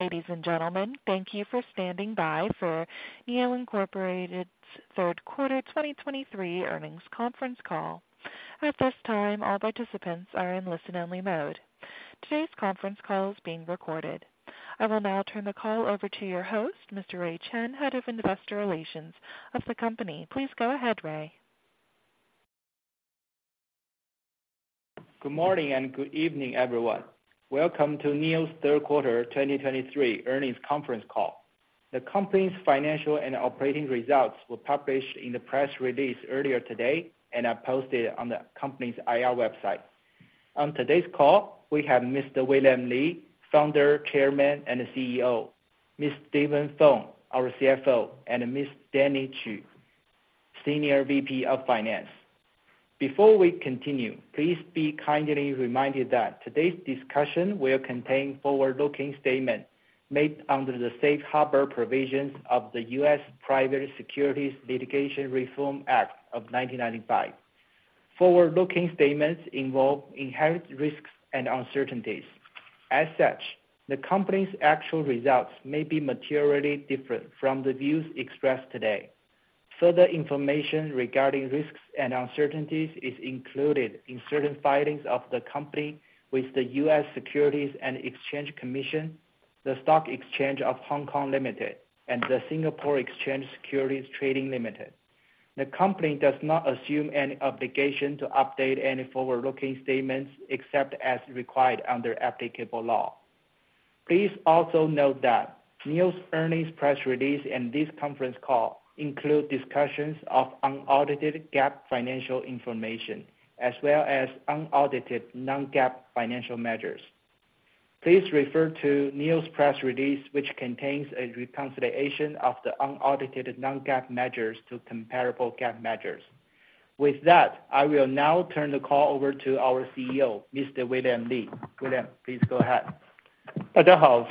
Ladies and gentlemen, thank you for standing by for NIO Incorporated's third quarter 2023 earnings conference call. At this time, all participants are in listen-only mode. Today's conference call is being recorded. I will now turn the call over to your host, Mr. Ray Chen, Head of Investor Relations of the company. Please go ahead, Ray. Good morning and good evening, everyone. Welcome to NIO's third quarter 2023 earnings conference call. The company's financial and operating results were published in the press release earlier today and are posted on the company's IR website. On today's call, we have Mr. William Li, Founder, Chairman, and CEO, Mr. Steven Feng, our CFO, and Mr. Stanley Qu, Senior VP of Finance. Before we continue, please be kindly reminded that today's discussion will contain forward-looking statements made under the Safe Harbor Provisions of the U.S. Private Securities Litigation Reform Act of 1995. Forward-looking statements involve inherent risks and uncertainties. As such, the company's actual results may be materially different from the views expressed today. Further information regarding risks and uncertainties is included in certain filings of the company with the U.S. Securities and Exchange Commission, the Stock Exchange of Hong Kong Limited, and the Singapore Exchange Securities Trading Limited. The company does not assume any obligation to update any forward-looking statements, except as required under applicable law. Please also note that NIO's earnings press release and this conference call include discussions of unaudited GAAP financial information, as well as unaudited Non-GAAP financial measures. Please refer to NIO's press release, which contains a reconciliation of the unaudited Non-GAAP measures to comparable GAAP measures. With that, I will now turn the call over to our CEO, Mr. William Li. William, please go ahead. Hello,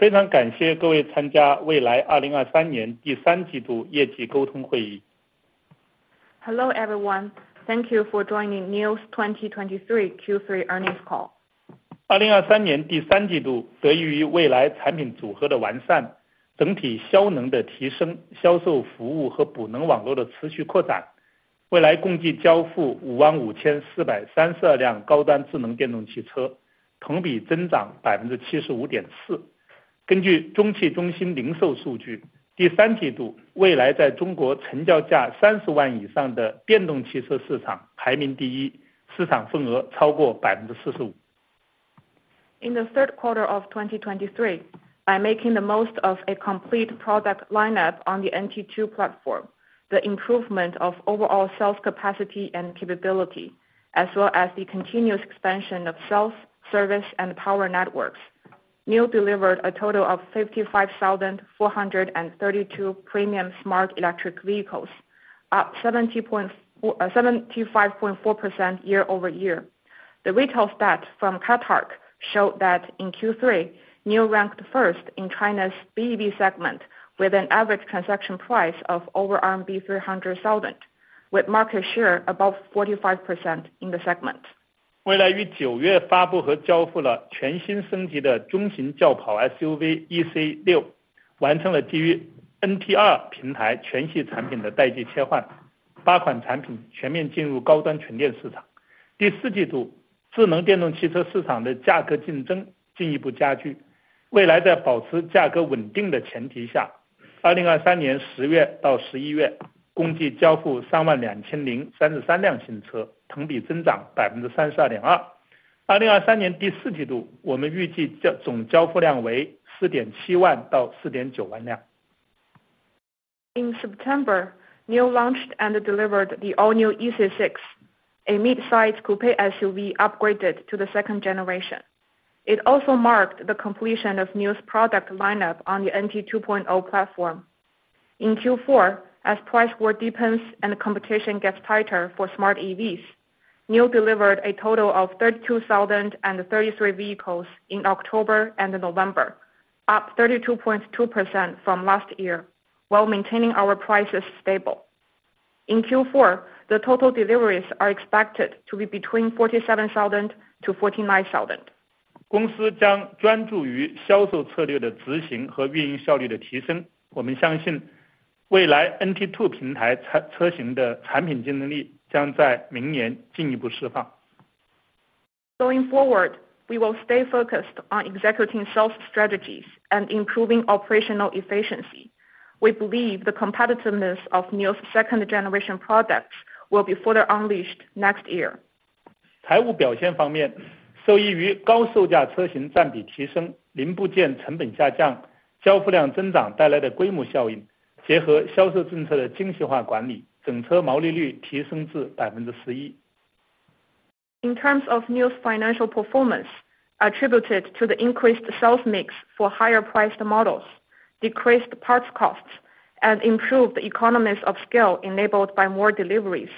everyone. Thank you for joining NIO's 2023 Q3 earnings call. In the third quarter of 2023, by making the most of a complete product lineup on the NT2 platform, the improvement of overall sales capacity and capability, as well as the continuous expansion of sales, service, and power networks, NIO delivered a total of 55,432 premium smart electric vehicles, up 75.4% year-over-year. The retail stat from CATARC showed that in Q3, NIO ranked first in China's BEV segment with an average transaction price of over RMB 300,000, with market share above 45% in the segment. In September, NIO launched and delivered the all-new EC6, a mid-size coupe SUV upgraded to the second generation. It also marked the completion of NIO's product lineup on the NT2.0 platform. In Q4, as price war deepens and competition gets tighter for smart EVs, NIO delivered a total of 32,033 vehicles in October and November, up 32.2% from last year, while maintaining our prices stable. In Q4, the total deliveries are expected to be between 47,000-49,000. Going forward, we will stay focused on executing sales strategies and improving operational efficiency. We believe the competitiveness of NIO's second generation products will be further unleashed next year. In terms of NIO's financial performance, attributed to the increased sales mix for higher priced models, decreased parts costs, and improved economies of scale enabled by more deliveries.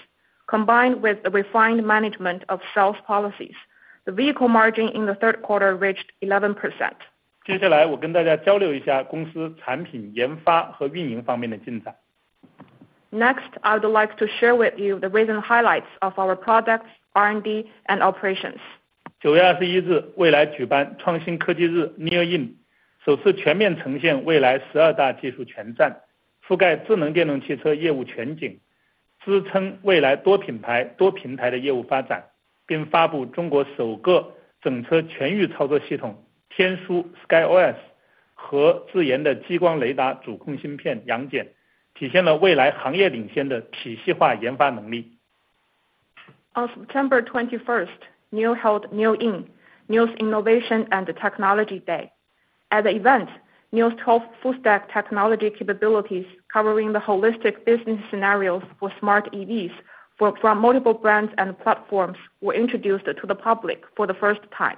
Combined with the refined management of sales policies, the vehicle margin in the third quarter reached 11%. Next, I would like to share with you the recent highlights of our products, R&D, and operations. 9月21日，蔚来举办创新科技日 NIO IN，首次全面呈现蔚来12大技术全栈，覆盖智能电动汽车业务全景，支撑蔚来多品牌、多平台的业务发展，并发布中国首个整车全域操作系统，天枢 SkyOS 和自研的激光雷达主控芯片杨戬，体现了蔚来行业领先的体系化研发能力。On September 21st, NIO held NIO IN, NIO's Innovation and Technology Day. At the event, NIO's 12 full-stack technology capabilities, covering the holistic business scenarios for smart EVs, from multiple brands and platforms, were introduced to the public for the first time.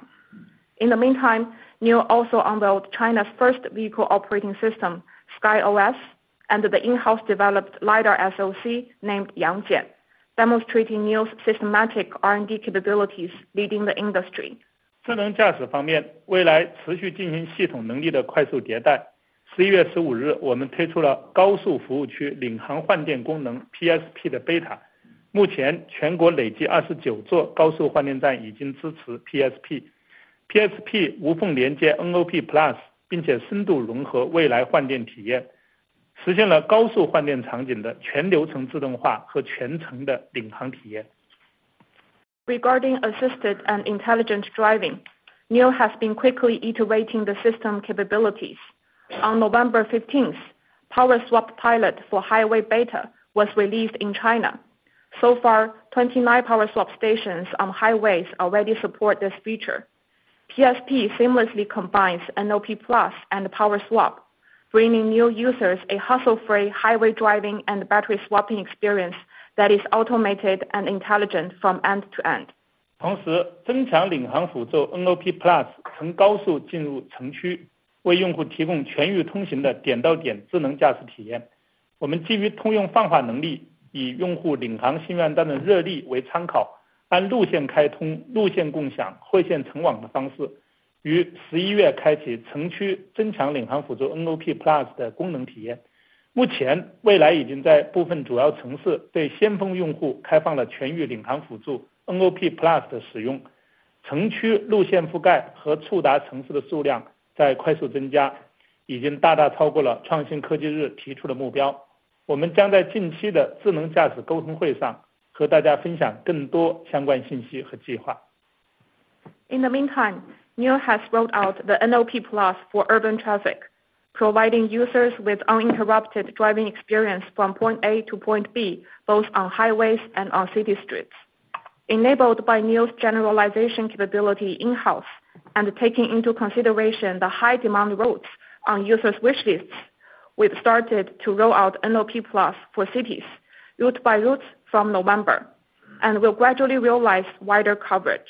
In the meantime, NIO also unveiled China's first vehicle operating system, SkyOS, and the in-house developed LiDAR SoC, named Yang Jian, demonstrating NIO's systematic R&D capabilities leading the industry. In terms of intelligent driving, NIO continues to rapidly iterate on system capabilities. On November 15, we launched the Beta of the highway service area navigation power swap function PSP. Currently, a cumulative 29 highway power swap stations nationwide already support PSP. PSP seamlessly connects NOP+, and deeply integrates the NIO power swap experience, realizing full-process automation and full-journey navigation experience in the highway power swap scenario. Regarding assisted and intelligent driving, NIO has been quickly iterating the system capabilities. On November 15th, Power Swap Pilot for Highway Beta was released in China. So far, 29 power swap stations on highways already support this feature. PSP seamlessly combines NOP+ and the Power Swap, bringing new users a hassle-free highway driving and battery swapping experience that is automated and intelligent from end to end. 同时，增强领航辅助 NOP+ 从高速进入城区，为用户提供全域通行的点到点智能驾驶体验。我们基于通用泛化能力，以用户领航新能源汽车的热力为参考，按路线开通、路线共享、汇线成网的方式，于十一月开启城区增强领航辅助 NOP+ 的功能体验。目前，蔚来已经在部分主要城市对先锋用户开放了全域领航辅助 NOP+ 的使用。城区路线覆盖和触达城市的数量在快速增加，已经大大超过了创新科技日提出的目标。我们将在近期的智能驾驶沟通会上和大家分享更多相关信息和计划。In the meantime, NIO has rolled out the NOP+ for urban traffic, providing users with uninterrupted driving experience from point A to point B, both on highways and on city streets. Enabled by NIO's generalization capability in-house, and taking into consideration the high-demand routes on users' wish lists, we've started to roll out NOP+ for cities, route by route from November, and will gradually realize wider coverage.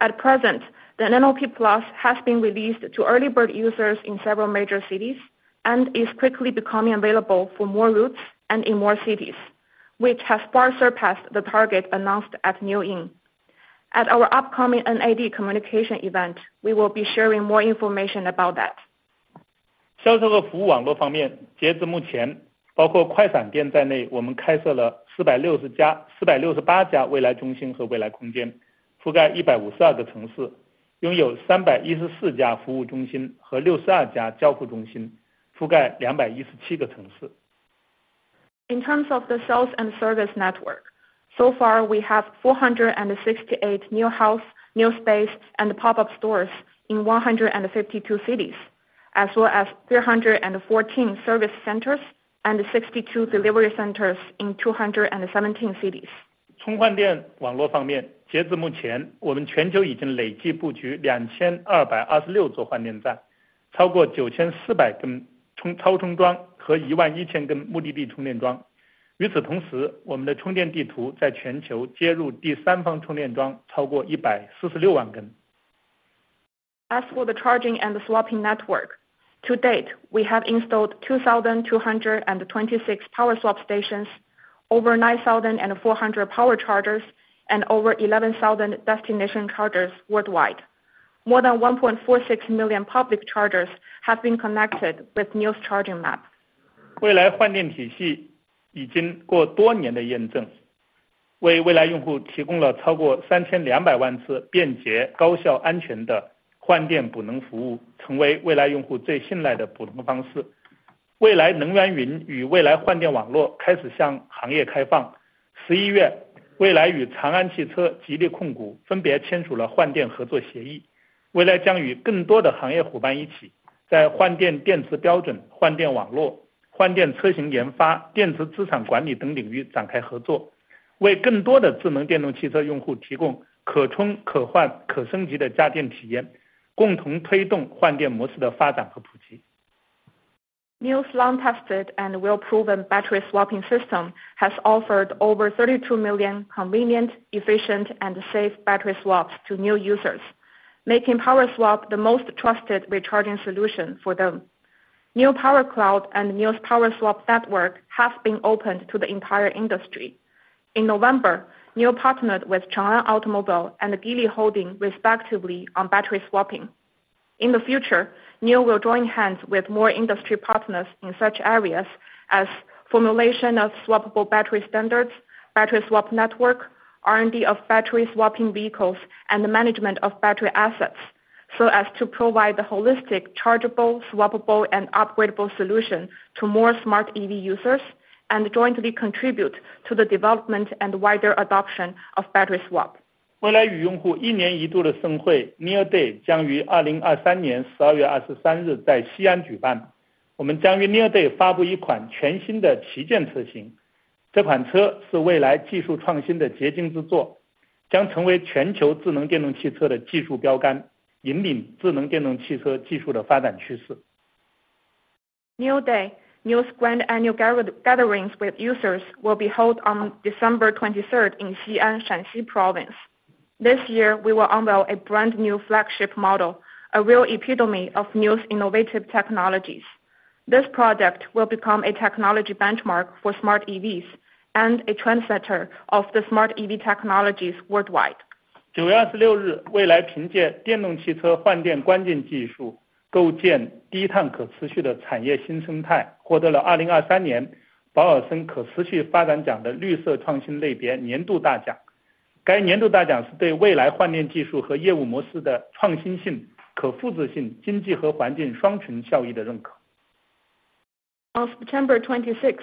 At present, the NOP+ has been released to early bird users in several major cities, and is quickly becoming available for more routes and in more cities, which has far surpassed the target announced at NIO IN. At our upcoming NAD communication event, we will be sharing more information about that. 销售和服务网络方面，截至目前，包括快闪店在内，我们开设了468家蔚来中心和蔚来空间，覆盖152个城市，拥有314家服务中心和62家交付中心，覆盖217个城市。In terms of the sales and service network, so far we have 468 NIO House, NIO Space, and pop-up stores in 152 cities, as well as 314 service centers and 62 delivery centers in 217 cities. 充换电网络方面，截至目前，我们全球已经累计布局2,226座换电站，超过9,400根充电超充桩和11,000根目的地充电桩。与此同时，我们的充电地图在全球接入第三方充电桩超过146万根。As for the charging and the swapping network, to date, we have installed 2,226 Power Swap stations, over 9,400 Power Chargers, and over 11,000 Destination Chargers worldwide. More than 1.46 million public chargers have been connected with NIO's Power Map. 蔚来换电体系已经过多年的验证，为蔚来用户提供了超过3,200万次便捷、高效、安全的换电补能服务，成为蔚来用户最信赖的补充方式。蔚来能源云与蔚来换电网络开始向行业开放。11月，蔚来与长安汽车、吉利控股分别签署了换电合作协议，蔚来将与更多的行业伙伴一起，在换电电池标准、换电网络、换电车型研发、电池资产管理等领域展开合作，为更多的智能电动汽车用户提供可充、可换、可升级的加电体验，共同推动换电模式的发展和普及。NIO's long-tested and well-proven battery swapping system has offered over 32 million convenient, efficient, and safe battery swaps to NIO users, making Power Swap the most trusted recharging solution for them. NIO Power Cloud and NIO's Power Swap network have been opened to the entire industry. In November, NIO partnered with Changan Automobile and Geely Holding, respectively, on battery swapping.... In the future, NIO will join hands with more industry partners in such areas as formulation of swappable battery standards, battery swap network, R&D of battery swapping vehicles, and the management of battery assets, so as to provide the holistic, chargeable, swappable, and upgradable solution to more smart EV users, and jointly contribute to the development and wider adoption of battery swap. Well, NIO Day, NIO's grand annual gatherings with users will be held on December 23rd in Xi'an, Shaanxi Province. This year, we will unveil a brand new flagship model, a real epitome of NIO's innovative technologies. This product will become a technology benchmark for smart EVs and a trendsetter of the smart EV technologies worldwide. NIO Day, NIO's grand annual gatherings with users will be held on December 23rd in Xi'an, Shaanxi Province. This year, we will unveil a brand new flagship model, a real epitome of NIO's innovative technologies. This product will become a technology benchmark for smart EVs and a trendsetter of the smart EV technologies worldwide. On September 26th,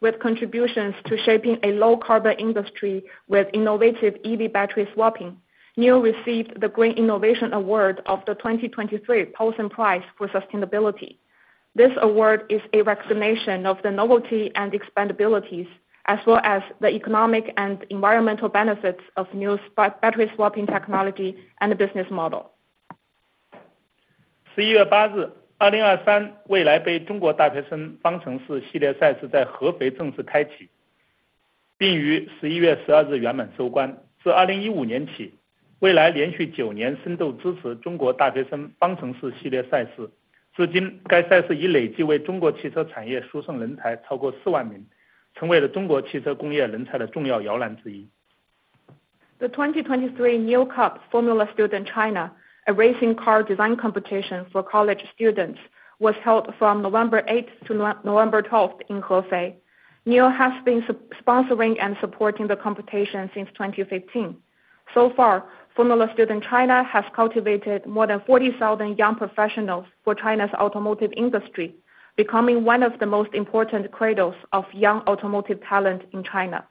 with contributions to shaping a low-carbon industry with innovative EV battery swapping, NIO received the Green Innovation Award of the 2023 Paulson Prize for Sustainability. This award is a recognition of the novelty and expandability, as well as the economic and environmental benefits of NIO's battery swapping technology and business model. On September 26th, with contributions to shaping a low-carbon industry with innovative EV battery swapping, NIO received the Green Innovation Award of the 2023 Paulson Prize for Sustainability. This award is a recognition of the novelty and expandability, as well as the economic and environmental benefits of NIO's battery swapping technology and business model. The 2023 NIO Cup Formula Student China, a racing car design competition for college students, was held from November 8th to November 12 in Hefei. NIO has been sponsoring and supporting the competition since 2015. So far, Formula Student China has cultivated more than 40,000 young professionals for China's automotive industry, becoming one of the most important cradles of young automotive talent in China.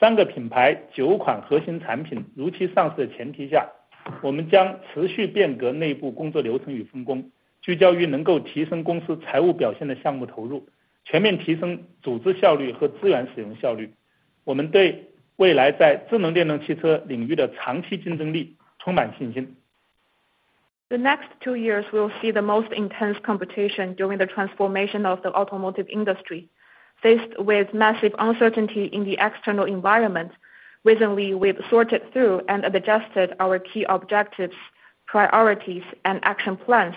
The next two years will see the most intense competition during the transformation of the automotive industry. Faced with massive uncertainty in the external environment, recently, we've sorted through and adjusted our key objectives, priorities, and action plans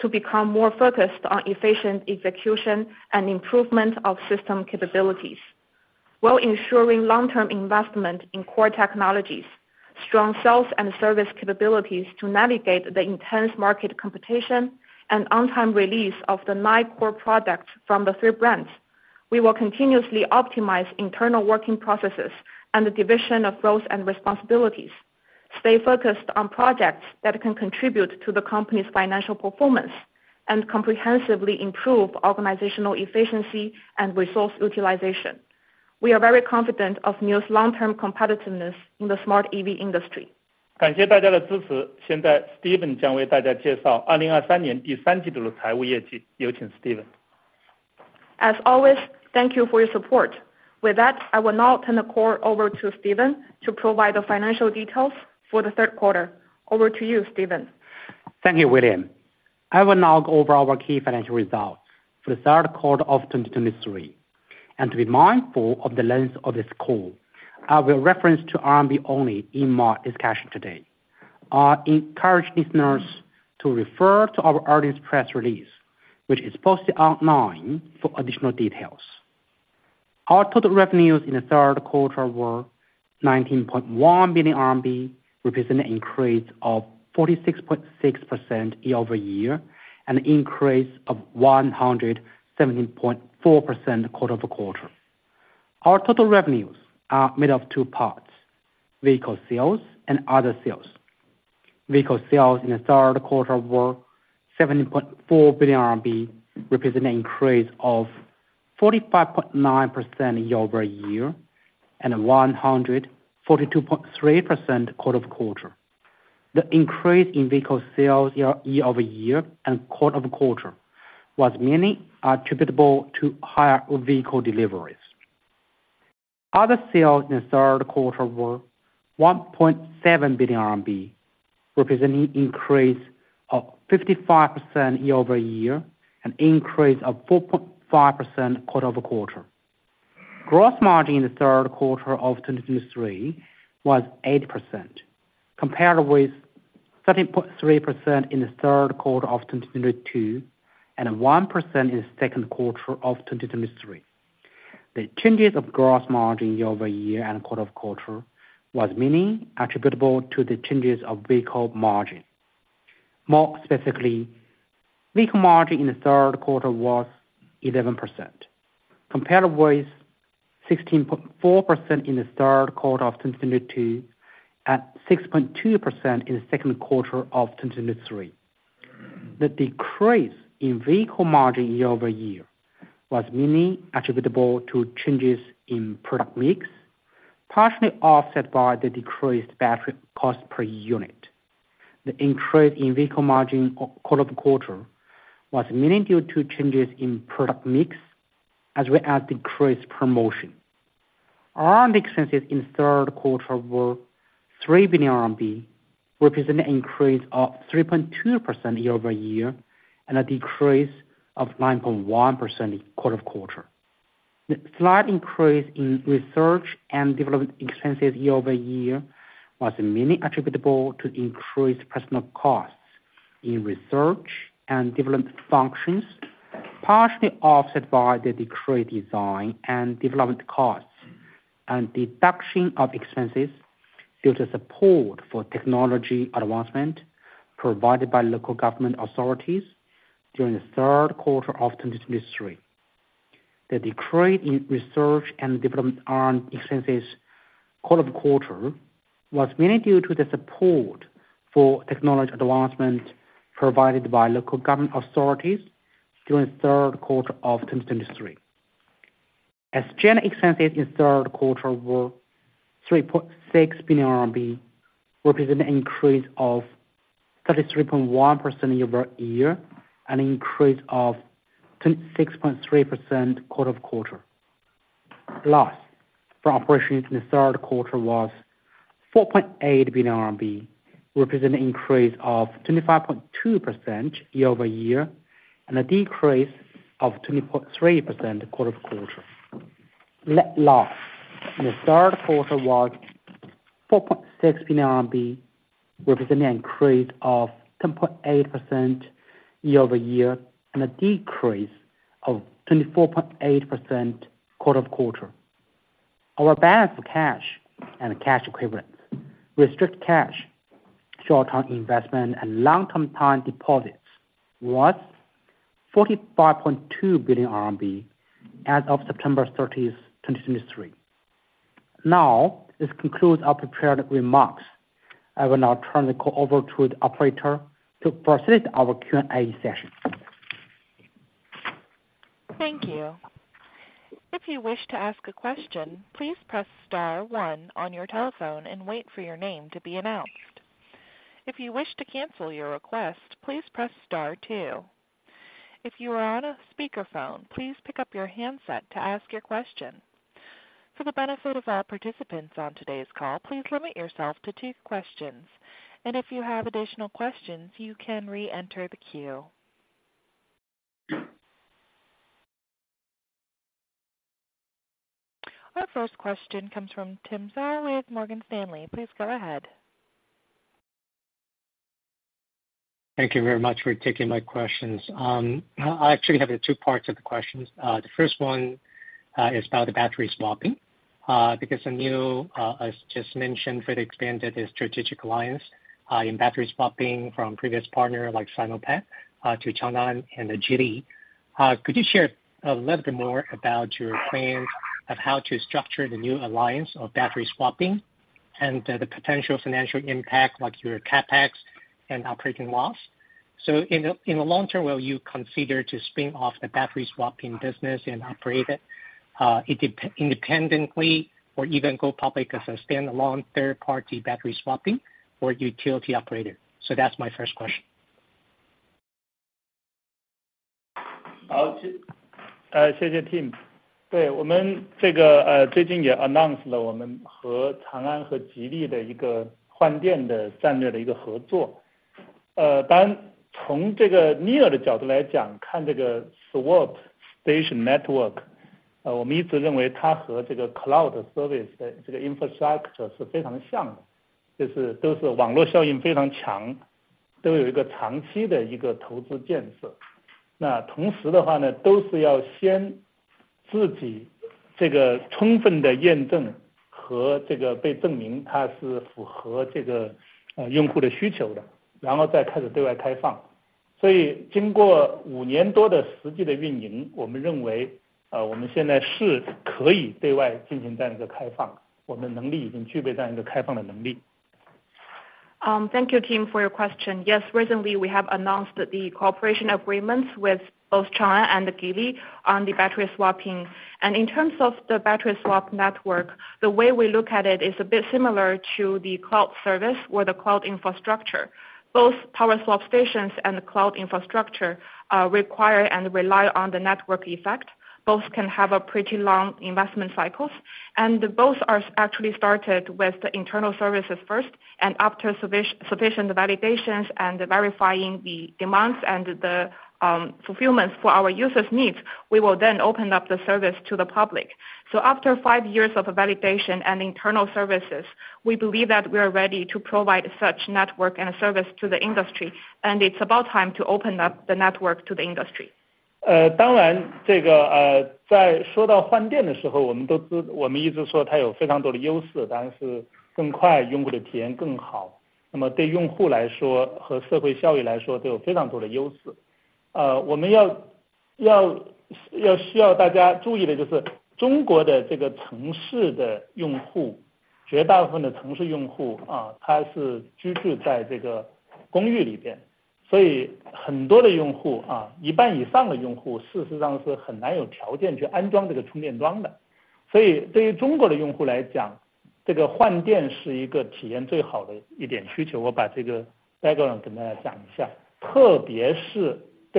to become more focused on efficient execution and improvement of system capabilities, while ensuring long-term investment in core technologies, strong sales and service capabilities to navigate the intense market competition, and on-time release of the nine core products from the three brands. We will continuously optimize internal working processes and the division of roles and responsibilities, stay focused on projects that can contribute to the company's financial performance, and comprehensively improve organizational efficiency and resource utilization. We are very confident of NIO's long-term competitiveness in the smart EV industry. As always, thank you for your support. With that, I will now turn the call over to Steven to provide the financial details for the third quarter. Over to you, Steven. Thank you, William. I will now go over our key financial results for the third quarter of 2023, and to be mindful of the length of this call, I will reference to RMB only in my discussion today. I encourage listeners to refer to our earlier press release, which is posted online for additional details. Our total revenues in the third quarter were 19.1 billion RMB, representing an increase of 46.6% year-over-year, an increase of 117.4% quarter-over-quarter. Our total revenues are made of two parts, vehicle sales and other sales. Vehicle sales in the third quarter were 70.4 billion RMB, representing an increase of 45.9% year-over-year, and 142.3% quarter-over-quarter. The increase in vehicle sales year-over-year and quarter-over-quarter was mainly attributable to higher vehicle deliveries. Other sales in the third quarter were 1.7 billion RMB, representing increase of 55% year-over-year, an increase of 4.5% quarter-over-quarter. Gross margin in the third quarter of 2023 was 8%, compared with 13.3% in the third quarter of 2022, and 1% in the second quarter of 2023. The changes of gross margin year-over-year and quarter-over-quarter was mainly attributable to the changes of vehicle margin. More specifically, vehicle margin in the third quarter was 11%, compared with 16.4% in the third quarter of 2022, and 6.2% in the second quarter of 2023. The decrease in vehicle margin year-over-year was mainly attributable to changes in product mix, partially offset by the decreased battery cost per unit. The increase in vehicle margin quarter-over-quarter was mainly due to changes in product mix, as well as decreased promotion. R&D expenses in the third quarter were 3 billion RMB, representing an increase of 3.2% year-over-year, and a decrease of 9.1% quarter-over-quarter. The slight increase in research and development expenses year-over-year was mainly attributable to increased personal costs in research and development functions, partially offset by the decreased design and development costs, and deduction of expenses due to support for technology advancement provided by local government authorities during the third quarter of 2023. The decrease in research and development (R&D) expenses quarter-over-quarter was mainly due to the support for technology advancement provided by local government authorities during the third quarter of 2023. Sales, general and administrative expenses in the third quarter were 3.6 billion RMB, representing an increase of 33.1% year-over-year and an increase of 26.3% quarter-over-quarter. Loss from operations in the third quarter was 4.8 billion RMB, representing an increase of 25.2% year-over-year and a decrease of 20.3% quarter-over-quarter. Net loss in the third quarter was 4.6 billion RMB, representing an increase of 10.8% year-over-year and a decrease of 24.8% quarter-over-quarter. Our balance of cash and cash equivalents, restricted cash, short-term investment and long-term time deposits was 45.2 billion RMB as of September 30, 2023. Now, this concludes our prepared remarks. I will now turn the call over to the operator to proceed our Q&A session. Thank you. If you wish to ask a question, please press star one on your telephone and wait for your name to be announced. If you wish to cancel your request, please press star two. If you are on a speakerphone, please pick up your handset to ask your question. For the benefit of all participants on today's call, please limit yourself to two questions, and if you have additional questions, you can reenter the queue. Our first question comes from Tim Zhang with Morgan Stanley. Please go ahead. Thank you very much for taking my questions. I actually have two parts of the questions. The first one is about the battery swapping, because I know, as just mentioned, we expanded the strategic alliance in battery swapping from previous partner, like Sinopec, to Changan and the Geely. Could you share a little bit more about your plans of how to structure the new alliance of battery swapping and the potential financial impact, like your CapEx and operating loss? So in the long term, will you consider to spin off the battery swapping business and operate it independently, or even go public as a standalone third-party battery swapping or utility operator? So that's my first question. Thank you, Tim. Announce Changan Geely network. Swap station network. Cloud service infrastructure, very strong. Investment. So first, this is充分的验证和这个被证明它是符合这个，用户的需求的，然后再开始对外开放。所以经过五年的实际的运营，我们认为，我们现在是可以对外进行这样的开放，我们的能力已经具备这样一个开放的能力。...Thank you, Tim, for your question. Yes, recently we have announced the cooperation agreements with both Changan and Geely on the battery swapping. And in terms of the battery swap network, the way we look at it is a bit similar to the cloud service or the cloud infrastructure. Both Power Swap stations and the cloud infrastructure require and rely on the network effect, both can have a pretty long investment cycles, and both are actually started with the internal services first, and after sufficient validations and verifying the demands and the fulfillments for our users needs, we will then open up the service to the public. So after five years of validation and internal services, we believe that we are ready to provide such network and service to the industry, and it's about time to open up the network to the industry.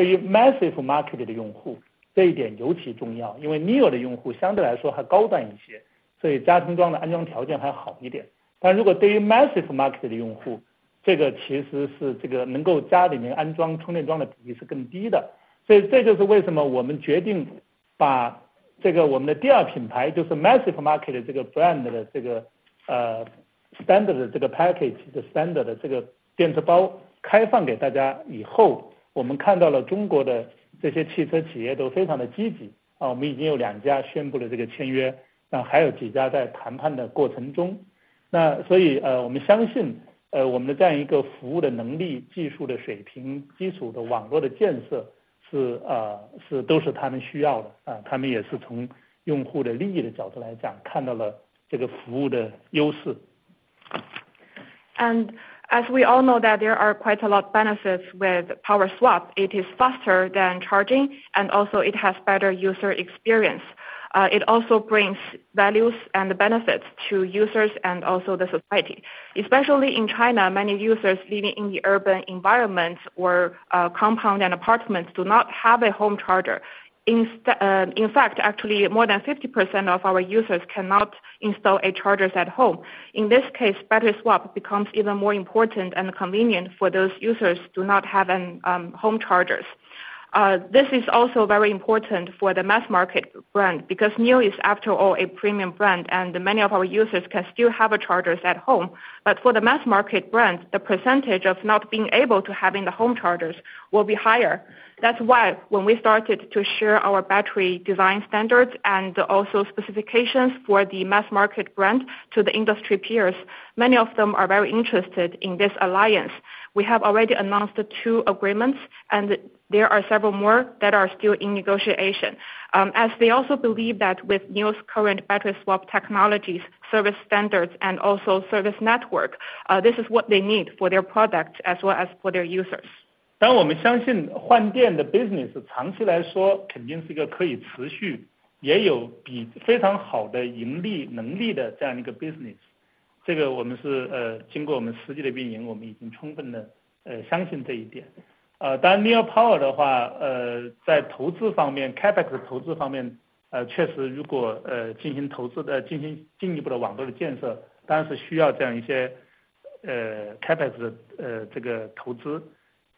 market的用户，这个其实是这个能够家里面安装充电桩的比例是更低的。所以这就是为什么我们决定把我们的第二品牌，就是massive market这个brand的这个，standard，这个package standard的这个电池包开放给大家以后，我们看到了中国的这些汽车企业都非常的积极，啊，我们已经有两家宣布了这个签约，那还有几家在谈判的过程中。所以，我们相信，我们的这样一个服务的能力、技术的水准、基础的网络的建设是，都是他们需要的，啊他们也是从用户的利益的角度来讲，看到了这个服务的优势。As we all know that there are quite a lot benefits with Power Swap, it is faster than charging, and also it has better user experience. It also brings values and benefits to users and also the society. Especially in China, many users living in the urban environments where compounds and apartments do not have a home charger. In fact, actually more than 50% of our users cannot install a charger at home. In this case, battery swap becomes even more important and convenient for those users do not have a home charger. This is also very important for the mass market brand, because NIO is after all, a premium brand, and many of our users can still have a charger at home. But for the mass market brands, the percentage of not being able to having the home chargers will be higher. That's why, when we started to share our battery design standards and also specifications for the mass market brand to the industry peers, many of them are very interested in this alliance. We have already announced the two agreements, and there are several more that are still in negotiation. As they also believe that with NIO's current battery swap technologies, service standards and also service network, this is what they need for their products as well as for their users. 当然，我们相信换电的 business 长期来说肯定是一个可以持续，也有非常好的盈利能力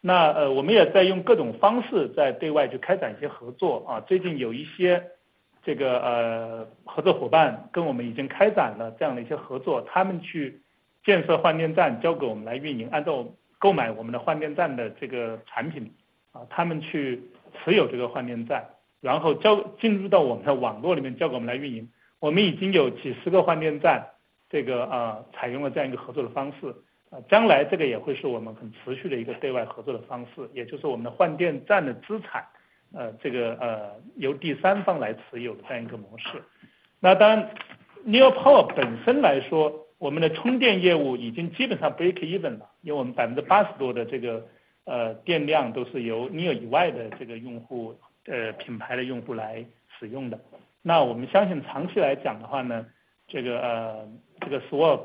的这样一个 business，这个我们是，经过我们的实际的运营，我们已经充分地相信这一点。但 NIO Power 的话，在投资方面，CapEx 投资方面，确实如果进行投资，再进行进一步的网络的建设，当然是需要这样一些 CapEx，这个投资。那我们也在用各种方式在对外去开展一些合作啊，最近有一些这个，合作伙伴跟我们已经开展 了这样的 一些合作，他们去建设换电站，交给我们来运营，按照购买我们的换电站的这个产品，啊他们去持有这个换电站，然后交，进入到我们的网络里面，交给我们来运营。我们已经有几十个换电站，这个啊，采用了这样的一个合作的方式，啊将来这个也会是我们很持续的一个对外合作的方式，也就是我们的换电站的资产，这个呃，由第三方来持有的这样一个模式。当然，NIO Power 本身来说，我们的充电业务已经基本上 break even 了，因为我们 80% 多的这个，电量都是由 NIO 以外的这个用户，品牌的用户来使用的。那我们相信长期来讲的话呢，这个这个 swap，swap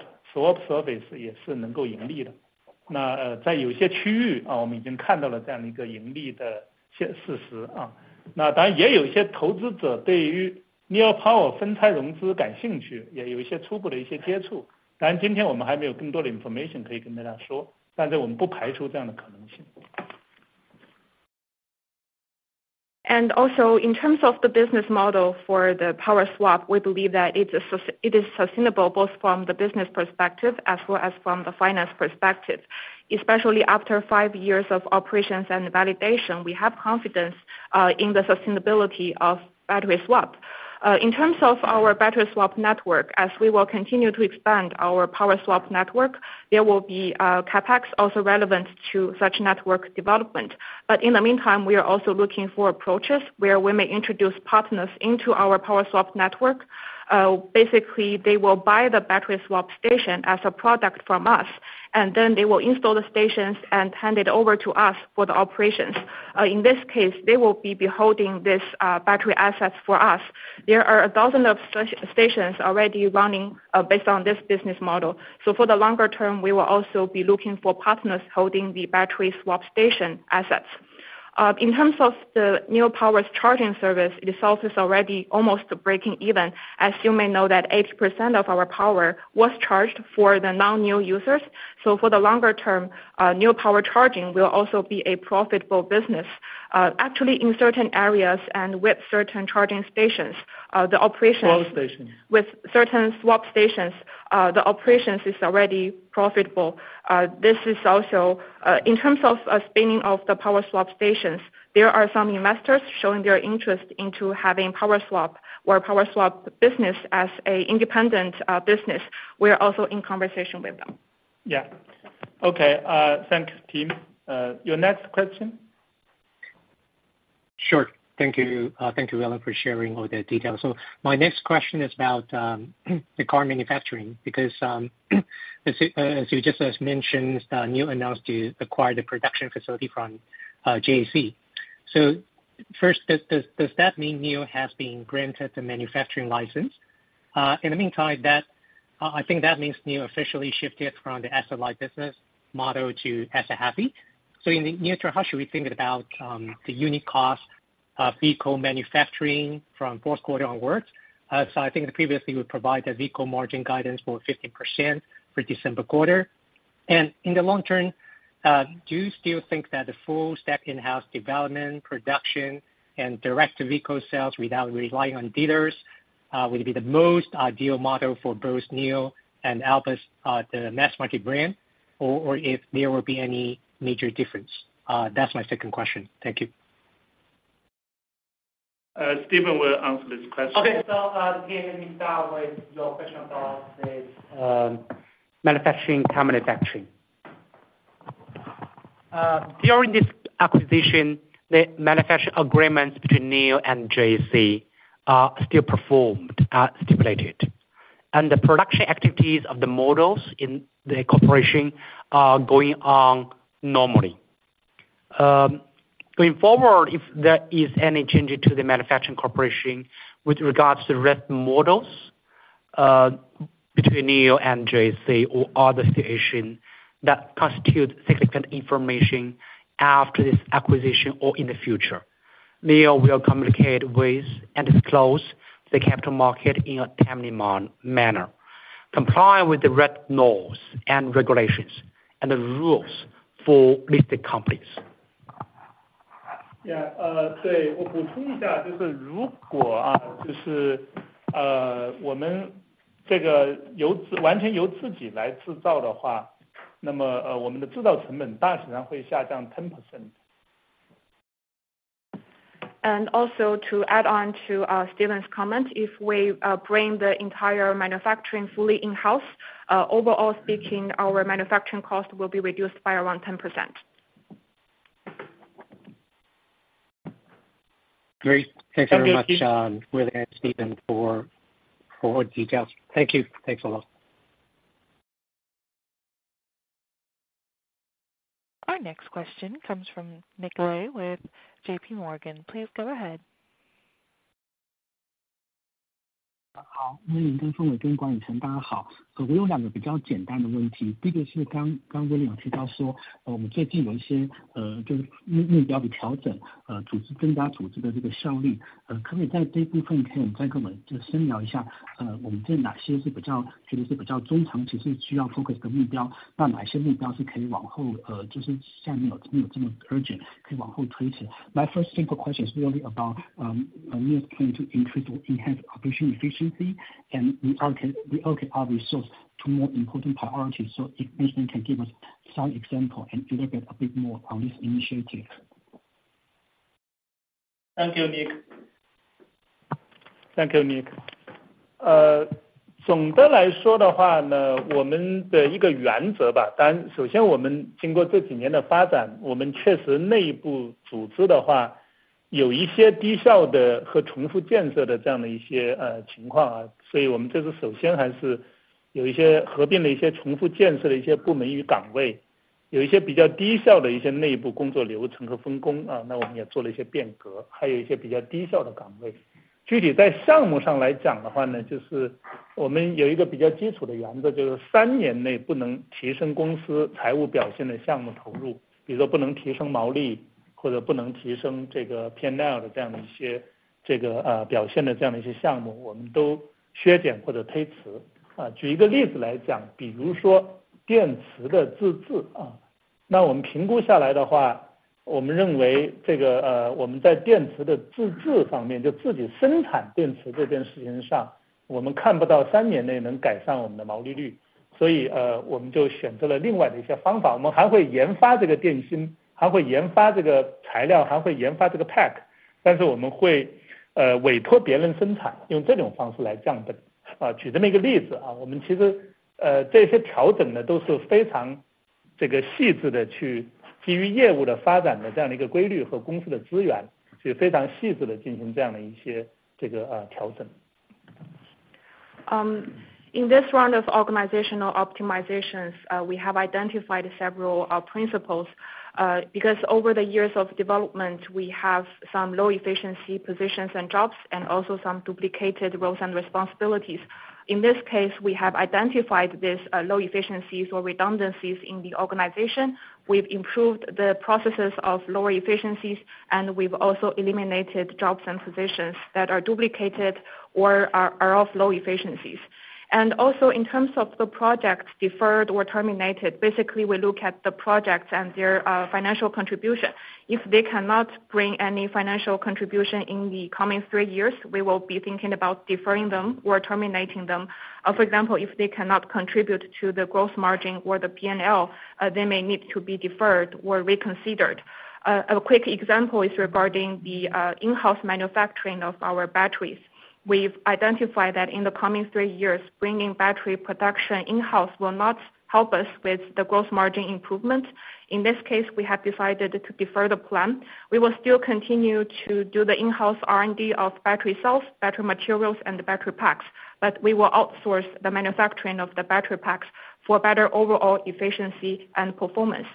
service 也是能够盈利的。那在有些区域啊，我们已经看到了这样的一个盈利的现，事实啊。当然也有一些投资者对于 NIO Power 分拆融资感兴趣，也有一些初步的一些接触，当然今天我们还没有更多的 information 可以跟大家说，但是我们不排除这样的可能性。Also in terms of the business model for the power swap, we believe that it is sustainable both from the business perspective as well as from the finance perspective, especially after five years of operations and validation. We have confidence in the sustainability of battery swap. In terms of our battery swap network, as we will continue to expand our power swap network, there will be CapEx also relevant to such network development. But in the meantime, we are also looking for approaches where we may introduce partners into our power swap network. Basically, they will buy the battery swap station as a product from us and then they will install the stations and hand it over to us for the operations. In this case, they will be holding this battery assets for us. There are 12 stations already running based on this business model. For the longer term, we will also be looking for partners holding the battery swap station assets. In terms of the NIO Power's charging service, this also is already almost breaking even. As you may know, 80% of our power was charged for the non-new users. For the longer term, NIO Power charging will also be a profitable business. Actually, in certain areas and with certain charging stations, the operations- Swap stations. With certain swap stations, the operations is already profitable. This is also... in terms of, spinning of the power swap stations, there are some investors showing their interest into having power swap or power swap business as a independent, business. We are also in conversation with them. Yeah. Okay. Thanks, team. Your next question? Sure. Thank you. Thank you, William, for sharing all the details. So my next question is about the car manufacturing, because as you just mentioned, NIO announced to acquire the production facility from JAC. So first, does that mean NIO has been granted the manufacturing license? In the meantime, I think that means NIO officially shifted from the asset-light business model to asset-heavy. So in the near term, how should we think about the unit cost of vehicle manufacturing from fourth quarter onwards? So I think previously we provide the vehicle margin guidance for 15% for December quarter. In the long term, do you still think that the full stack in-house development, production, and direct vehicle sales without relying on dealers will be the most ideal model for both NIO and Alps, the mass market brand, or if there will be any major difference? That's my second question. Thank you. Steven will answer this question. Okay. So, let me start with your question about the manufacturing, car manufacturing. During this acquisition, the manufacturing agreements between NIO and JAC are still performed, stipulated, and the production activities of the models in the cooperation are going on normally. Going forward, if there is any changes to the manufacturing cooperation with regards to rest models, between NIO and JAC or other situation that constitute significant information after this acquisition or in the future, NIO will communicate with and disclose the capital market in a timely manner, complying with the right laws and regulations and the rules for listed companies. Yeah. So overall, if we completely manufacture this by ourselves, then our manufacturing cost will roughly decrease 10%. And also to add on to Steven's comment, if we bring the entire manufacturing fully in-house, overall speaking, our manufacturing cost will be reduced by around 10%. Great. Thank you very much, William and Steven, for the details. Thank you. Thanks a lot. Our next question comes from Nick Lai with JP Morgan. Please go ahead. 好，那么跟宋伟跟管玉成，大家好，我有两个比较简单的问题。第一个是刚刚William提到说，我们最近有一些目标调整，组织增加组织的这个效率，可不可以在这部分可以再跟我们就深聊一下，我们在哪些是比较，觉得是比较中长期是需要focus的目标，那哪些目标是可以往后，就是下面有，没有这么urgent，可以往后推迟。My first simple question is really about NIO's plan to increase or enhance operational efficiency, and we allocate, we allocate our resources to more important priorities. If William can give us some example and elaborate a bit more on this initiative. Thank you, Nick. Thank you, Nick. In this round of organizational optimizations, we have identified several principles, because over the years of development, we have some low efficiency positions and jobs, and also some duplicated roles and responsibilities. In this case, we have identified these low efficiencies or redundancies in the organization. We've improved the processes of lower efficiencies, and we've also eliminated jobs and positions that are duplicated or are of low efficiencies. And also in terms of the projects deferred or terminated, basically, we look at the projects and their financial contribution. If they cannot bring any financial contribution in the coming three years, we will be thinking about deferring them or terminating them. For example, if they cannot contribute to the growth margin or the P&L, they may need to be deferred or reconsidered. A quick example is regarding the in-house manufacturing of our batteries. We've identified that in the coming three years, bringing battery production in-house will not help us with the gross margin improvement. In this case, we have decided to defer the plan. We will still continue to do the in-house R&D of battery cells, battery materials, and the battery packs, but we will outsource the manufacturing of the battery packs for better overall efficiency and performance.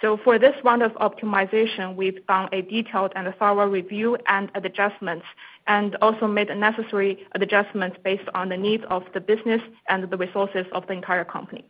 So for this round of optimization, we've done a detailed and thorough review and adjustments, and also made necessary adjustments based on the needs of the business and the resources of the entire company.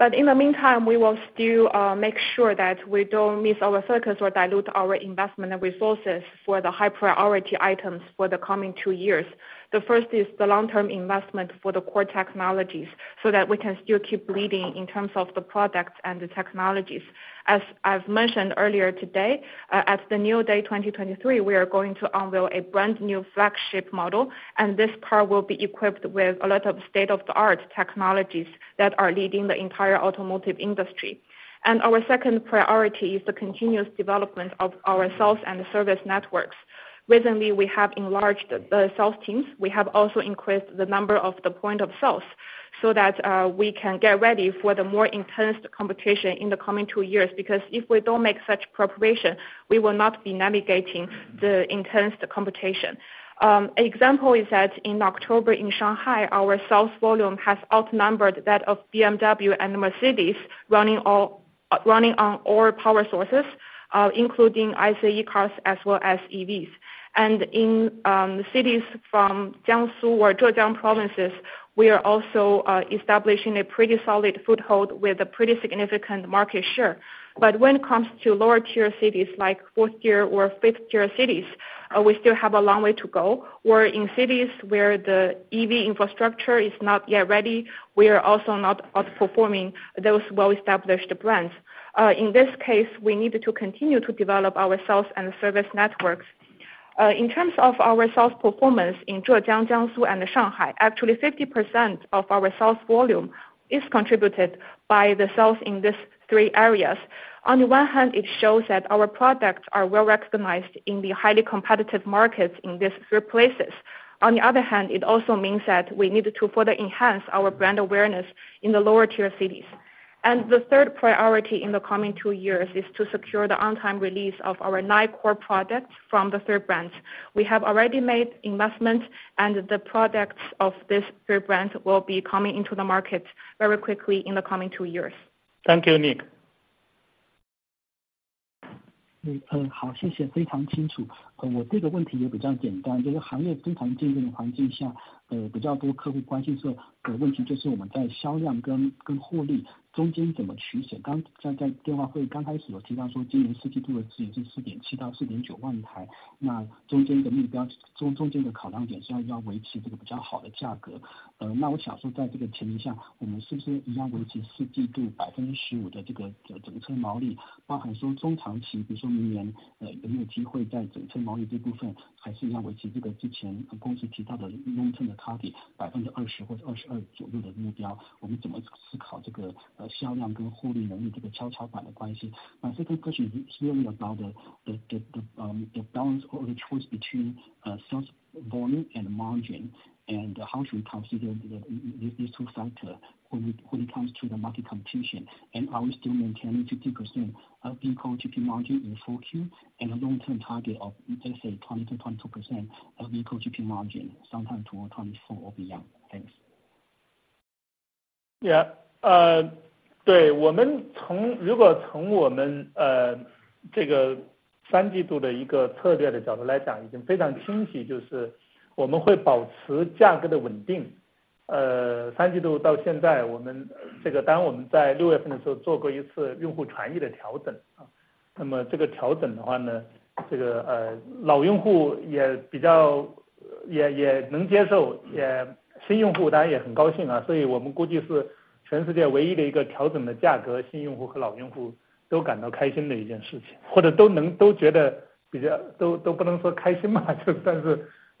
But in the meantime, we will still make sure that we don't miss our focus or dilute our investment and resources for the high priority items for the coming two years. The first is the long-term investment for the core technologies, so that we can still keep leading in terms of the products and the technologies. As I've mentioned earlier today, at the NIO Day 2023, we are going to unveil a brand new flagship model, and this car will be equipped with a lot of state-of-the-art technologies that are leading the entire automotive industry. Our second priority is the continuous development of our sales and service networks. Recently, we have enlarged the sales teams. We have also increased the number of the point of sales, so that we can get ready for the more intense competition in the coming two years, because if we don't make such preparation, we will not be navigating the intense competition. An example is that in October, in Shanghai, our sales volume has outnumbered that of BMW and Mercedes running on all power sources, including ICE cars as well as EVs. In cities from Jiangsu or Zhejiang provinces, we are also establishing a pretty solid foothold with a pretty significant market share. But when it comes to lower tier cities, like fourth tier or fifth tier cities, we still have a long way to go, or in cities where the EV infrastructure is not yet ready, we are also not outperforming those well-established brands. In this case, we need to continue to develop our sales and service networks. In terms of our sales performance in Zhejiang, Jiangsu, and Shanghai, actually 50% of our sales volume is contributed by the sales in these three areas. On the one hand, it shows that our products are well recognized in the highly competitive markets in these three places. On the other hand, it also means that we need to further enhance our brand awareness in the lower tier cities. The third priority in the coming two years is to secure the on time release of our nine core products from the third brand. We have already made investments, and the products of this third brand will be coming into the market very quickly in the coming two years. Thank you, Nick. term的目标，20%或者22%左右的目标，我们怎么思考这个，销量跟获利能力这个跷跷板的关系。My second question is really about the balance or the choice between sales volume and margin, and how should we consider these two factors when it comes to the market competition, and are we still maintaining 15% vehicle GP margin in 4Q and a long-term target of let's say, 20%-22% vehicle GP margin, sometime to 24% or beyond? Thanks. Yeah。对，我们从，如果从我们这个第三季度的策略角度来讲，已经非常清晰，就是我们会保持价格的稳定。第三季度到现在，我们当然我们在六月份的时候做过一次用户权益的调整，那么这个调整的话呢，这个，老用户也比较也能接受，也... 新用户当然也很高兴啊，所以我们估计是全世界唯一的一个调整的价格，新用户和老用户都感到开心的一件事情，或者都能觉得比较，都不能说开心嘛，但是总的都觉得还挺好的一件事情。那在此之后，我们就保持了价格的一个稳定，那，我们觉得这个对用户利益来说，对 brand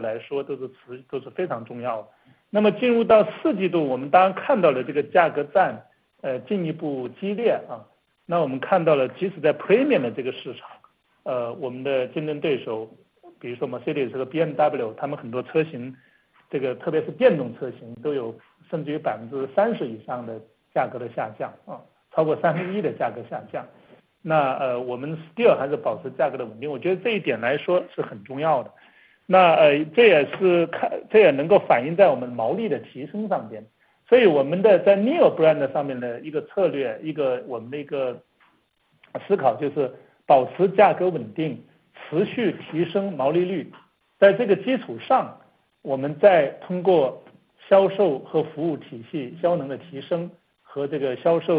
来说，都是非常重要的。那么进入到四季度，我们当然看到了这个价格战，进一步激烈啊，那我们看到了，即使在 premium 的这个市场，我们的竞争对手，比如说 Mercedes 和 BMW，他们很多车型，这个特别是电动车型，都有甚至于 30% 以上的价格的下降，啊，超过三分之一的价格下降，那，我们还是保持价格的稳定，我觉得这一点来说是很重要的。那，这也能够反映在我们毛利的提升上边。所以我们在 NIO brand 上面呢，一个策略，一个我们的一个思考，就是保持价格稳定，持续提升毛利率。在这个基础上，我们再通过销售和服务体系效能的提升，和这个销售的过程的效率的改善，去提高我们的销量，我们会保持一些耐心，啊，我们不会用降低毛利率去降价的方式去换取销量，我们认为从长期来讲，这是健康的。所以具体来说的话，Stanley一会儿也可以讲一下这个毛利的一些涨落的情况。Our strategy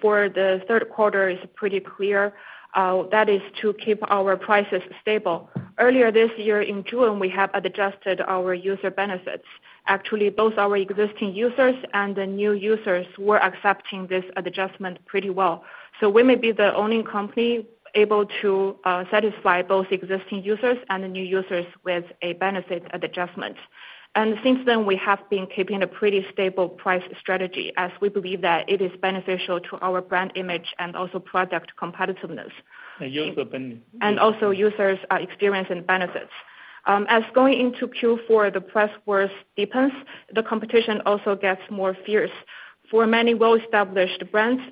for the third quarter is pretty clear, that is to keep our prices stable. Earlier this year in June, we have adjusted our user benefits. Actually, both our existing users and the new users were accepting this adjustment pretty well. So we may be the only company able to satisfy both existing users and the new users with a benefit adjustment. And since then, we have been keeping a pretty stable price strategy, as we believe that it is beneficial to our brand image and also product competitiveness- And user bene- Also users experience and benefits. As going into Q4, the price wars deepens, the competition also gets more fierce. For many well-established brands,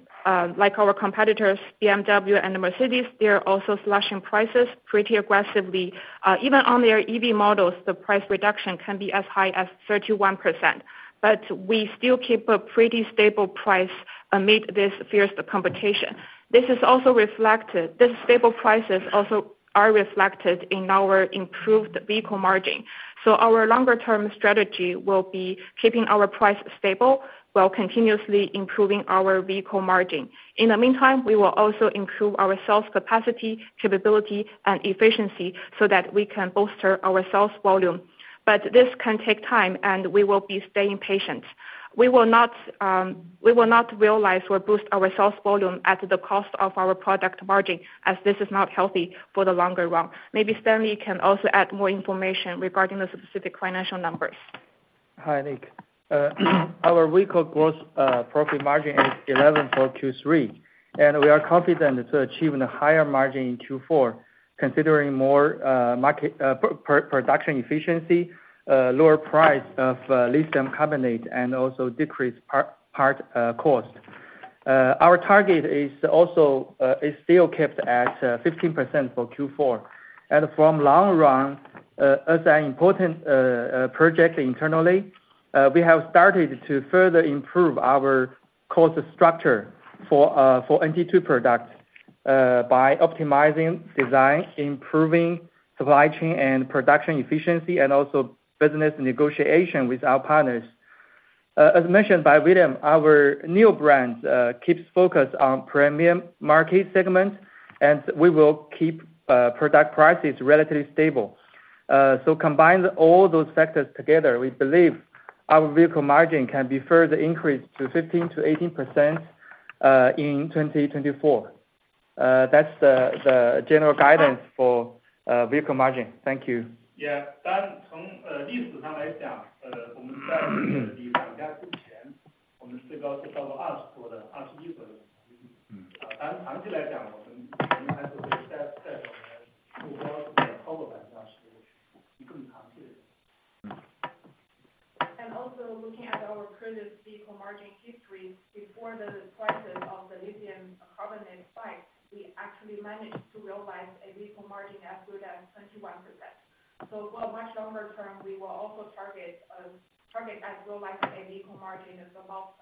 like our competitors, BMW and Mercedes, they are also slashing prices pretty aggressively. Even on their EV models, the price reduction can be as high as 31%, but we still keep a pretty stable price amid this fierce competition. This is also reflected, this stable prices also are reflected in our improved vehicle margin. So our longer term strategy will be keeping our price stable while continuously improving our vehicle margin. In the meantime, we will also improve our sales capacity, capability and efficiency so that we can bolster our sales volume. But this can take time and we will be staying patient. We will not, we will not realize or boost our sales volume at the cost of our product margin, as this is not healthy for the longer run. Maybe Stanley can also add more information regarding the specific financial numbers. Hi, Nick, our vehicle gross profit margin is 11% for Q3, and we are confident to achieving a higher margin in Q4, considering more market production efficiency, lower price of lithium carbonate, and also decrease part cost. Our target is also is still kept at 15% for Q4. And from long run, as an important project internally, we have started to further improve our cost structure for for NT2 products, by optimizing design, improving supply chain and production efficiency, and also business negotiation with our partners. As mentioned by William, our new brand keeps focus on premium market segment, and we will keep product prices relatively stable. So combine all those factors together, we believe our vehicle margin can be further increased to 15%-18% in 2024. That's the general guidance for vehicle margin. Thank you. Yeah. Also looking at our previous vehicle margin history, before the prices of the lithium carbonate spike, we actually managed to realize a vehicle margin as good as 21%. For the much longer term, we will also target as well like a vehicle margin of about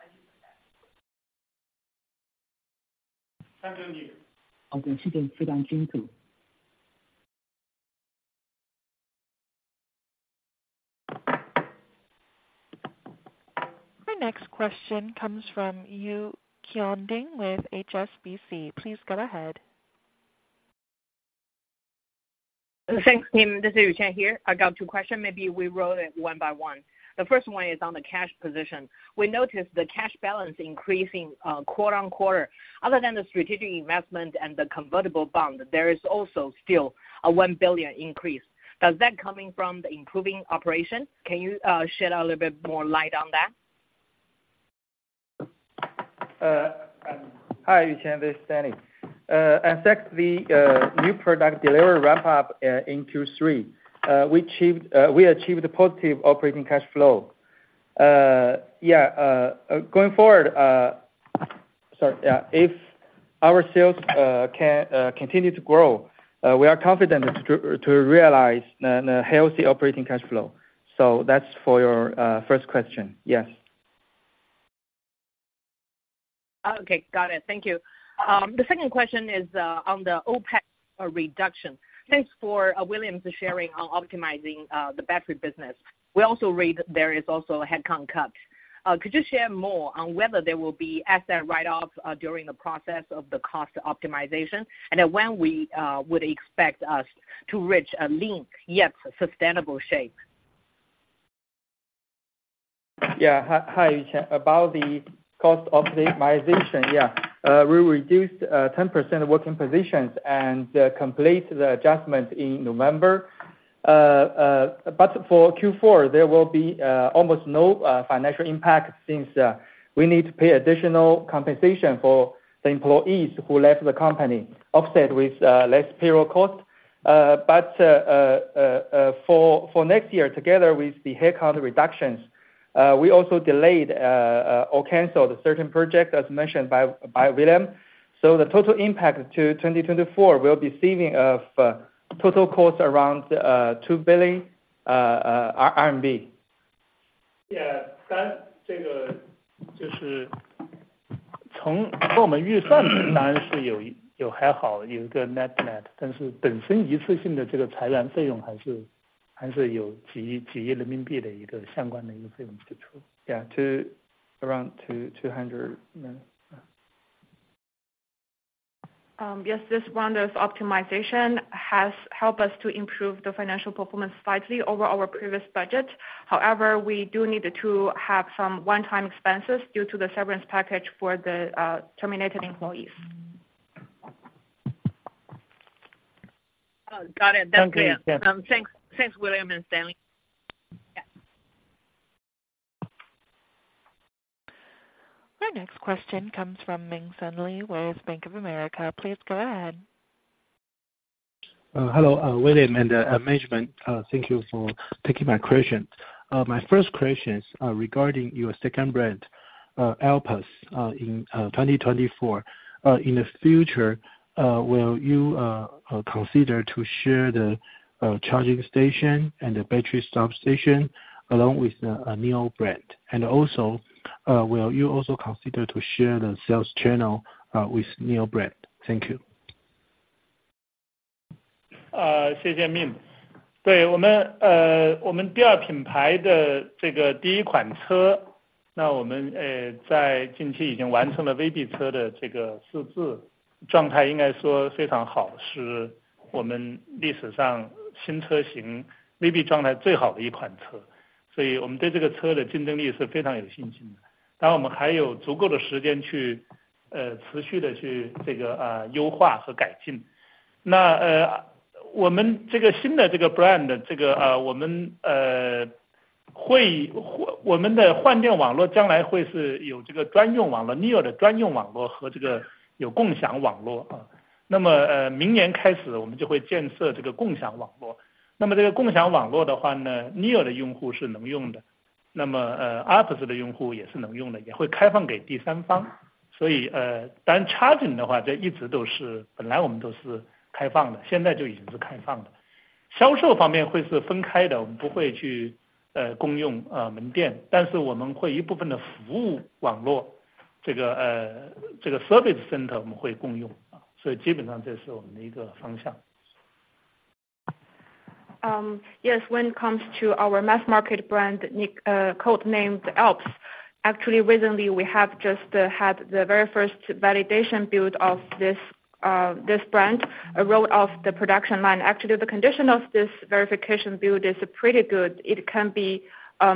20%. Thank you. Our next question comes from Yuqian Ding with HSBC. Please go ahead. Thanks, team. This is Yuqian here. I got two question. Maybe we roll it one by one. The first one is on the cash position. We noticed the cash balance increasing quarter-over-quarter. Other than the strategic investment and the convertible bond, there is also still a 1 billion increase. Does that coming from the improving operation? Can you shed a little bit more light on that? Hi, Yuqian, this is Stanley. As thanks to the new product delivery ramp up in Q3, we achieved, we achieved a positive operating cash flow. Yeah, going forward, sorry, if our sales can continue to grow, we are confident to, to realize the, the healthy operating cash flow. So that's for your first question. Yes. Okay. Got it. Thank you. The second question is on the OpEx reduction. Thanks for William's sharing on optimizing the battery business. We also read there is also a head count cut. Could you share more on whether there will be asset write-offs during the process of the cost optimization, and then when we would expect us to reach a lean yet sustainable shape? Yeah. Hi, Yuqian. About the cost optimization, yeah, we reduced 10% of working positions and complete the adjustment in November. But for Q4, there will be almost no financial impact since we need to pay additional compensation for the employees who left the company, offset with less payroll cost. But for next year, together with the headcount reductions, we also delayed or canceled certain project, as mentioned by William. So the total impact to 2024, we'll be saving of total cost around 2 billion RMB. Yeah, to around CNY 200 million. Yes, this round of optimization has helped us to improve the financial performance slightly over our previous budget. However, we do need to have some one-time expenses due to the severance package for the terminated employees. Got it. That's clear. Thank you. Thanks, thanks, William and Stanley. Yeah. Our next question comes from Ming-Hsun Lee, with Bank of America. Please go ahead. Hello, William and management. Thank you for taking my question. My first question is, regarding your second brand, Alps, in 2024. In the future, will you consider to share the charging station and the battery swap station along with the NIO brand? And also, will you also consider to share the sales channel with NIO brand? Thank you. Yes, when it comes to our mass market brand, nicknamed Alps, actually recently we have just had the very first validation build of this brand roll off the production line. Actually, the condition of this verification build is pretty good. It can be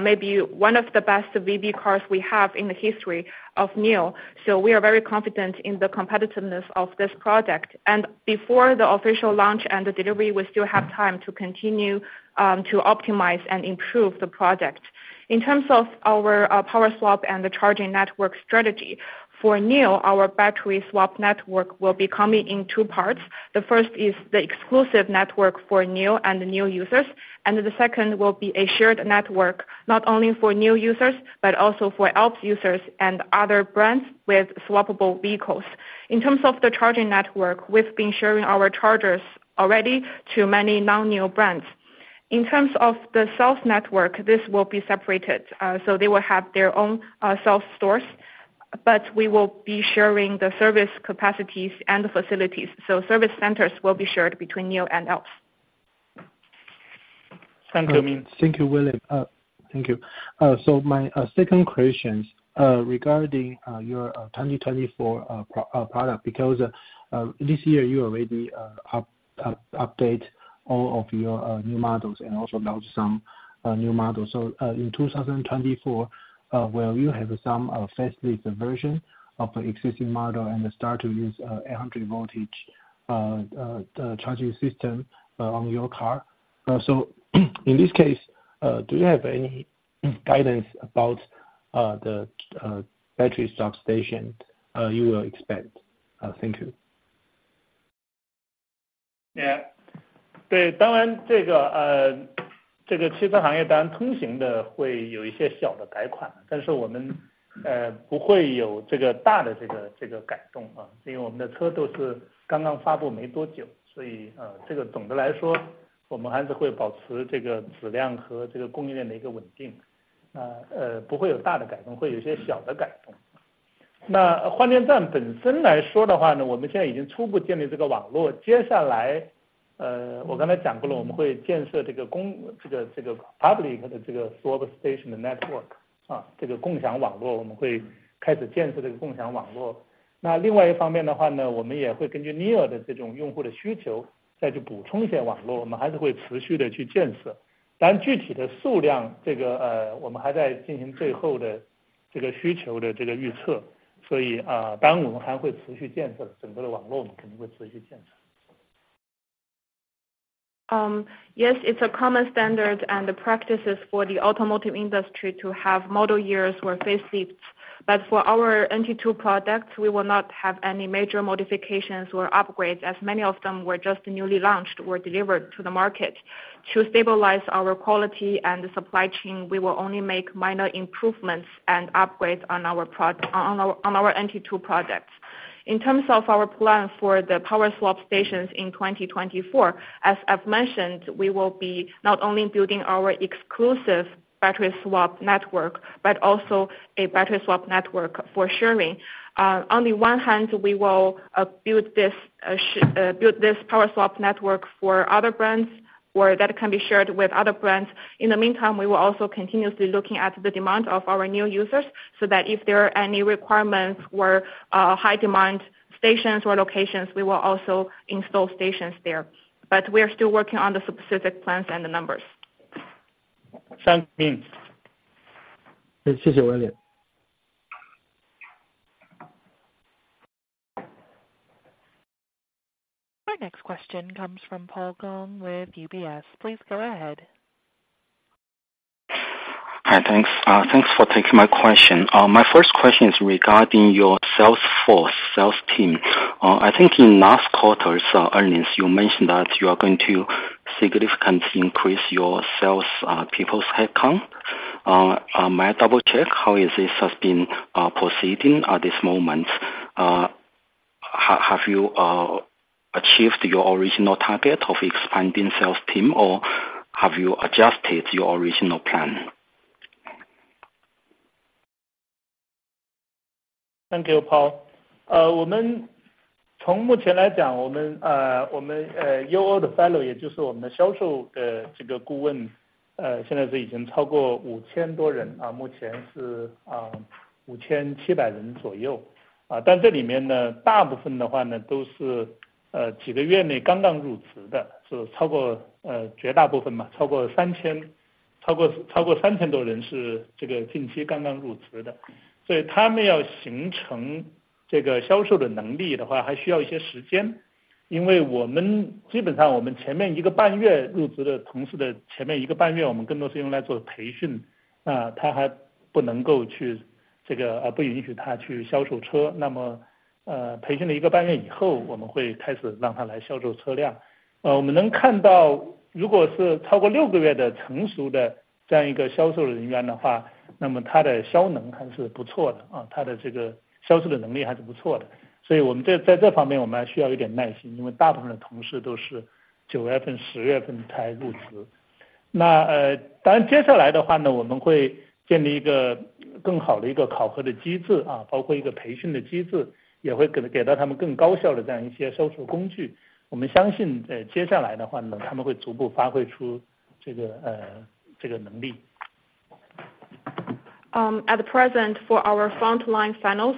maybe one of the best VB cars we have in the history of NIO. So we are very confident in the competitiveness of this product. Before the official launch and the delivery, we still have time to continue to optimize and improve the product. In terms of our Power Swap and the charging network strategy, for NIO, our battery swap network will be coming in two parts. The first is the exclusive network for NIO and the NIO users, and the second will be a shared network, not only for NIO users, but also for Alps users and other brands with swappable vehicles. In terms of the charging network, we've been sharing our chargers already to many non-NIO brands. In terms of the sales network, this will be separated, so they will have their own self stores, but we will be sharing the service capacities and the facilities, so service centers will be shared between NIO and Alps. Thank you. Thank you, William. Thank you. So my second questions regarding your 2024 product, because this year, you already update all of your new models and also launched some new models. So, in 2024, will you have some facelift version of the existing model and start to use 800 voltage charging system on your car? So in this case, do you have any guidance about the battery swap station you will expand? Thank you. Yeah. Yes, of course, in this automotive industry, of course, there will be some small model changes as is common, but we will not have this big change, because our cars have all just been released not long ago, so, overall, we will still maintain this quality and the stability of this supply chain, will not have big changes, will have some small changes. As for the swap stations themselves, we have now preliminarily established this network. Next, as I mentioned earlier, we will build this public swap station network, this shared network. We will start building this shared network. On the other hand, we will also, based on NIO's users' demand of this kind, go supplement some networks. We will still continuously build, but for the specific quantity, we are still conducting the final prediction of this demand. So, of course, we will still continue building. We will definitely continue building the entire network. Yes, it's a common standard, and the practice is for the automotive industry to have model years or face lifts. But for our NT2 products, we will not have any major modifications or upgrades, as many of them were just newly launched or delivered to the market. To stabilize our quality and the supply chain, we will only make minor improvements and upgrades on our NT2 products. In terms of our plan for the power swap stations in 2024, as I've mentioned, we will be not only building our exclusive battery swap network, but also a battery swap network for sharing. On the one hand, we will build this power swap network for other brands, or that can be shared with other brands. In the meantime, we will also continuously looking at the demand of our new users, so that if there are any requirements where high demand stations or locations, we will also install stations there. But we are still working on the specific plans and the numbers. Thanks, Ming. Xie xie William. Our next question comes from Paul Gong with UBS. Please go ahead. Hi, thanks. Thanks for taking my question. My first question is regarding your sales force, sales team. I think in last quarter's earnings, you mentioned that you are going to significantly increase your sales people's headcount. May I double check, how has this been proceeding at this moment? Have you achieved your original target of expanding sales team, or have you adjusted your original plan? Thank you, Paul. 我们从目前来讲，我们，我们，NIO的fellow，也就是我们的销售，这个顾问，现在是已经超过5,000多人，目前是，5,700人左右。但这里面呢，大部分的话呢，都是，几个月内刚刚入职的，是超过... 当然，接下来呢，我们会建立一个更好的考核机制，包括一个培训机制，也会给他们更高效的这样一些销售工具。我们相信，接下来呢，他们会逐步发挥出这个能力。At the present for our front line fellows,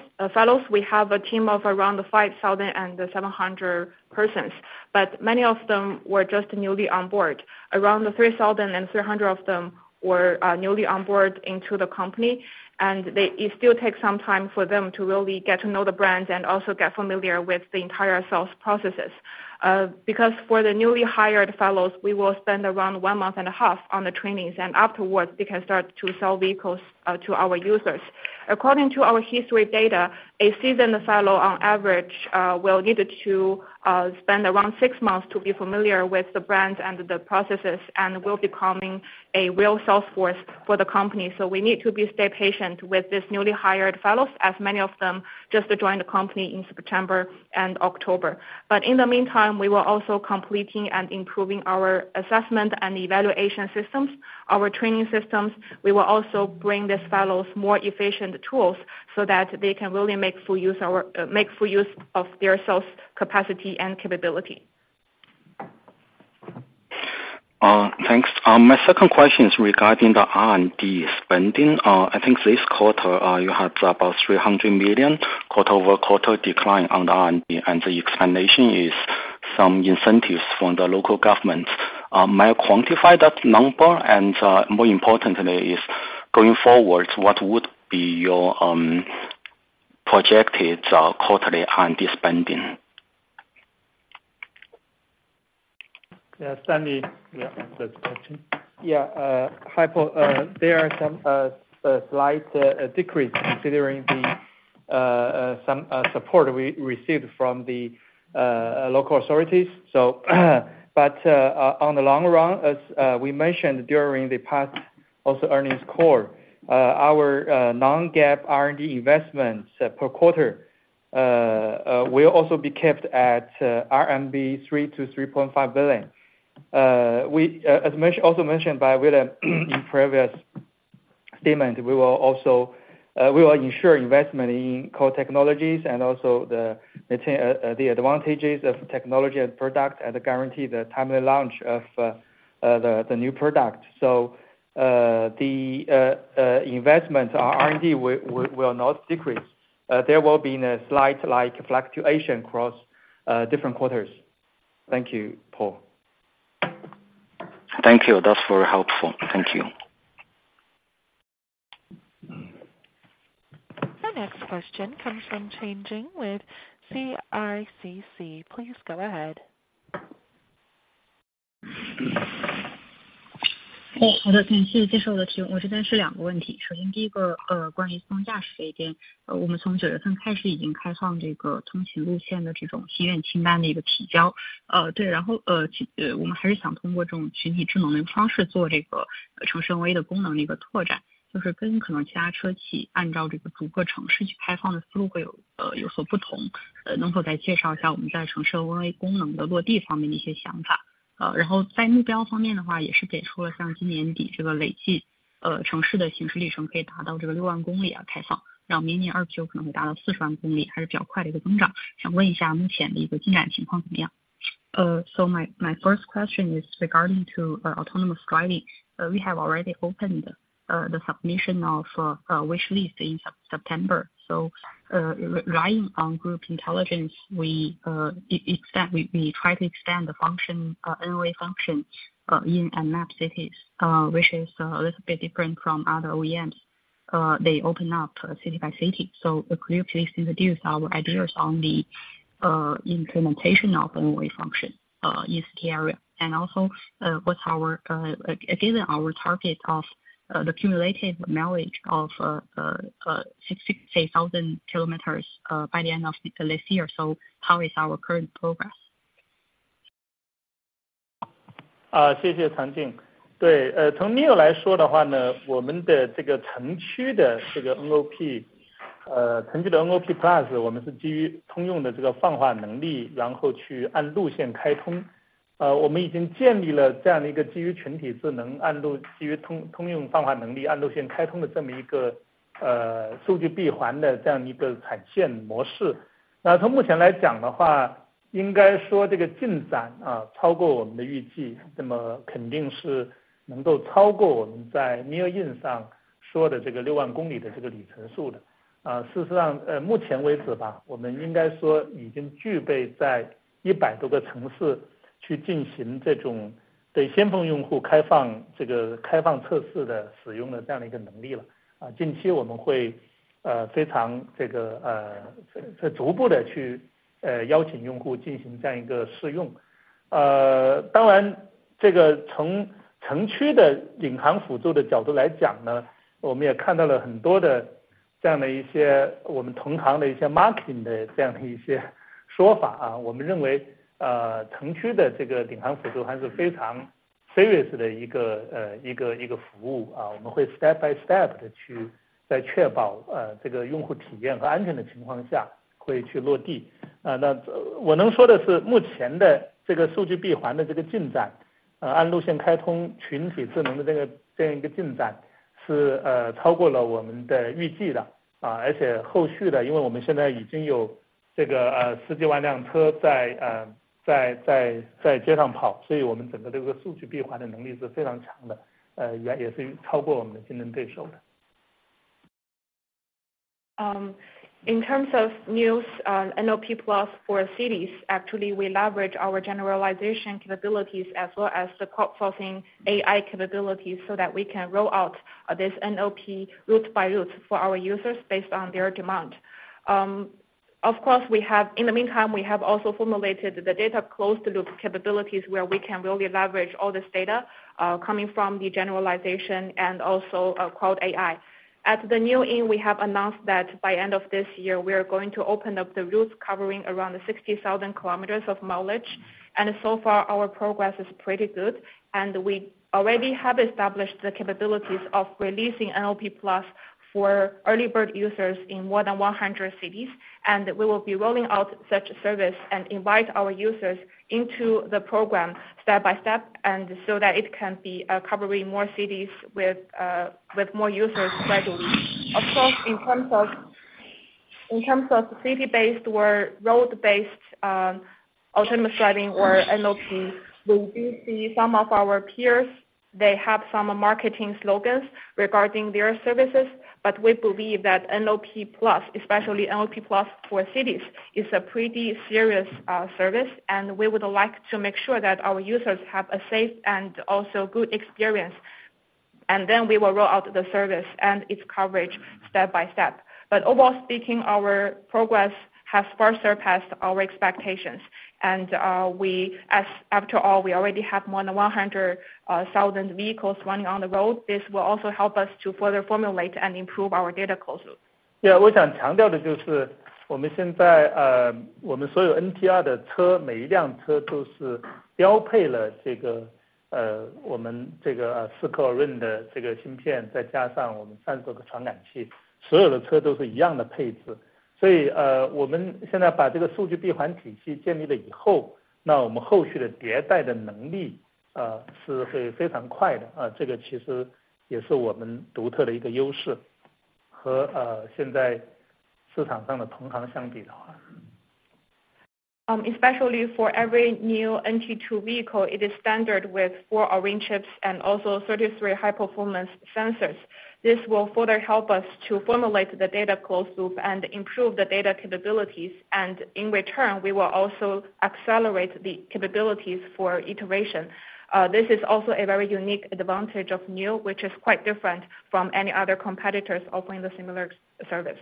we have a team of around 5,700 persons, but many of them were just newly on board. Around 3,300 of them were newly on board into the company, and they, it still take some time for them to really get to know the brands and also get familiar with the entire sales processes. Because for the newly hired fellows, we will spend around one and a half months on the trainings and afterwards they can start to sell vehicles to our users. According to our history data, a seasoned fellow on average will needed to spend around six months to be familiar with the brands and the processes and will becoming a real sales force for the company. So we need to be stay patient with this newly hired fellows as many of them just to join the company in September and October. But in the meantime, we were also completing and improving our assessment and evaluation systems, our training systems. We will also bring these fellows more efficient tools, so that they can really make full use of their sales capacity and capability. My second question is regarding the R&D spending. I think this quarter, you had about 300 million quarter-over-quarter decline on the R&D, and the explanation is some incentives from the local government. May I quantify that number? And more importantly is going forward, what would be your projected quarterly R&D spending? answer the question. is a slight decrease considering the support we received from the local authorities. So, but, on the long run, as we mentioned during the past also earnings call, our Non-GAAP R&D investments per quarter will also be kept at 3 billion-3.5 billion RMB. As also mentioned by William in previous statement, we will ensure investment in core technologies and also the maintenance of the advantages of technology and product, and guarantee the timely launch of the new product. So, the R&D investment will not decrease, there will be a slight like fluctuation across different quarters. Thank you, Paul. Thank you, that's very helpful. Thank you. The next question comes from Changjing with CICC. Please go ahead. So my first question is regarding to our autonomous driving. We have already opened the submission of wish list in September. So, relying on group intelligence, we expect, we try to extend the function, NOA function, in and map cities, which is a little bit different from other OEMs, they open up city by city. So could you please introduce our ideas on the implementation of NOA function in city area? And also, what's our given our target of the cumulative mileage of 60,000 kilometers by the end of this year, so how is our current progress? 谢谢长静。对，从NIO来说的话呢，我们的这个城区这个nop，城区NOP+，我们是基于通用的这个泛化能力，然后去按路线开通。我们已经建立了一个基于群体智能，按路，基于通，通用泛化能力，按路线开通的这么一个，数据闭环的这样的一个展现模式。那从目前来讲的话，应该说这个进展，超过我们的预计，那么肯定是能够超过我们在NIO IN上说的这个60,000公里的这个里程数的。事实上的，目前为止吧，我们应该说已经具备在一百多个城市去进行这种对先锋用户开放，这个开放测试的使用这样的一个能力了。近期我们会，非常这个，这逐步地去，邀请用户进行这样的一个试用。当然，这个城区领航辅助的角度来讲呢，我们也看到了很多的这样的我们同行的一些marketing的这样的的一些说法。我们认为，城区这个领航辅助还是非常serious的一个，一个，一个服务，我们会step by step地去，在确保，这个用户体验和安全的情况下去落地。那么这我能说的是，目前的数据闭环的这个进展...... The progress of enabling collective intelligence along the route like this is exceeding our expectations. Moreover, subsequently, because we now already have this, over 100,000 vehicles on the streets running, so our entire data closed-loop capability is very strong, and also exceeds our competitors'. In terms of NIO, NOP+ for cities, actually we leverage our generalization capabilities as well as the crowdsourcing AI capabilities, so that we can roll out this NOP route by route for our users based on their demand. Of course we have, in the meantime, we have also formulated the data closed-loop capabilities, where we can really leverage all this data, coming from the generalization and also our cloud AI. At the NIO IN, we have announced that by end of this year, we are going to open up the routes covering around 60,000 kilometers of mileage. And so far our progress is pretty good, and we already have established the capabilities of releasing NOP+ for early bird users in more than 100 cities. And we will be rolling out such service and invite our users into the program step by step, and so that it can be, covering more cities with, with more users gradually. Of course, in terms of, in terms of city-based or road-based, autonomous driving or NOP, we do see some of our peers, they have some marketing slogans regarding their services, but we believe that NOP+, especially NOP+ for cities, is a pretty serious, service, and we would like to make sure that our users have a safe and also good experience, and then we will roll out the service and its coverage step by step. But overall speaking, our progress has far surpassed our expectations. And, as after all, we already have more than 100,000 vehicles running on the road, this will also help us to further formulate and improve our data closed-loop. Yeah，我想强调的就是我们现在，我们所有的NT2的车，每一辆车都是标配了这个，我们这个，4颗Orin的这个芯片，再加上我们30多个传感器，所有的车都是一样的配置。所以，我们现在把这个数据闭环体系建立了以后，那我们后续的迭代的能力，是会非常快的，这个其实也是我们独特的一个优势，和现在市场上同行的相比的话。Especially for every new NT2 vehicle, it is standard with 4 Orin chips and also 33 high performance sensors. This will further help us to formulate the data closed-loop and improve the data capabilities, and in return, we will also accelerate the capabilities for iteration. This is also a very unique advantage of NIO, which is quite different from any other competitors offering the similar service.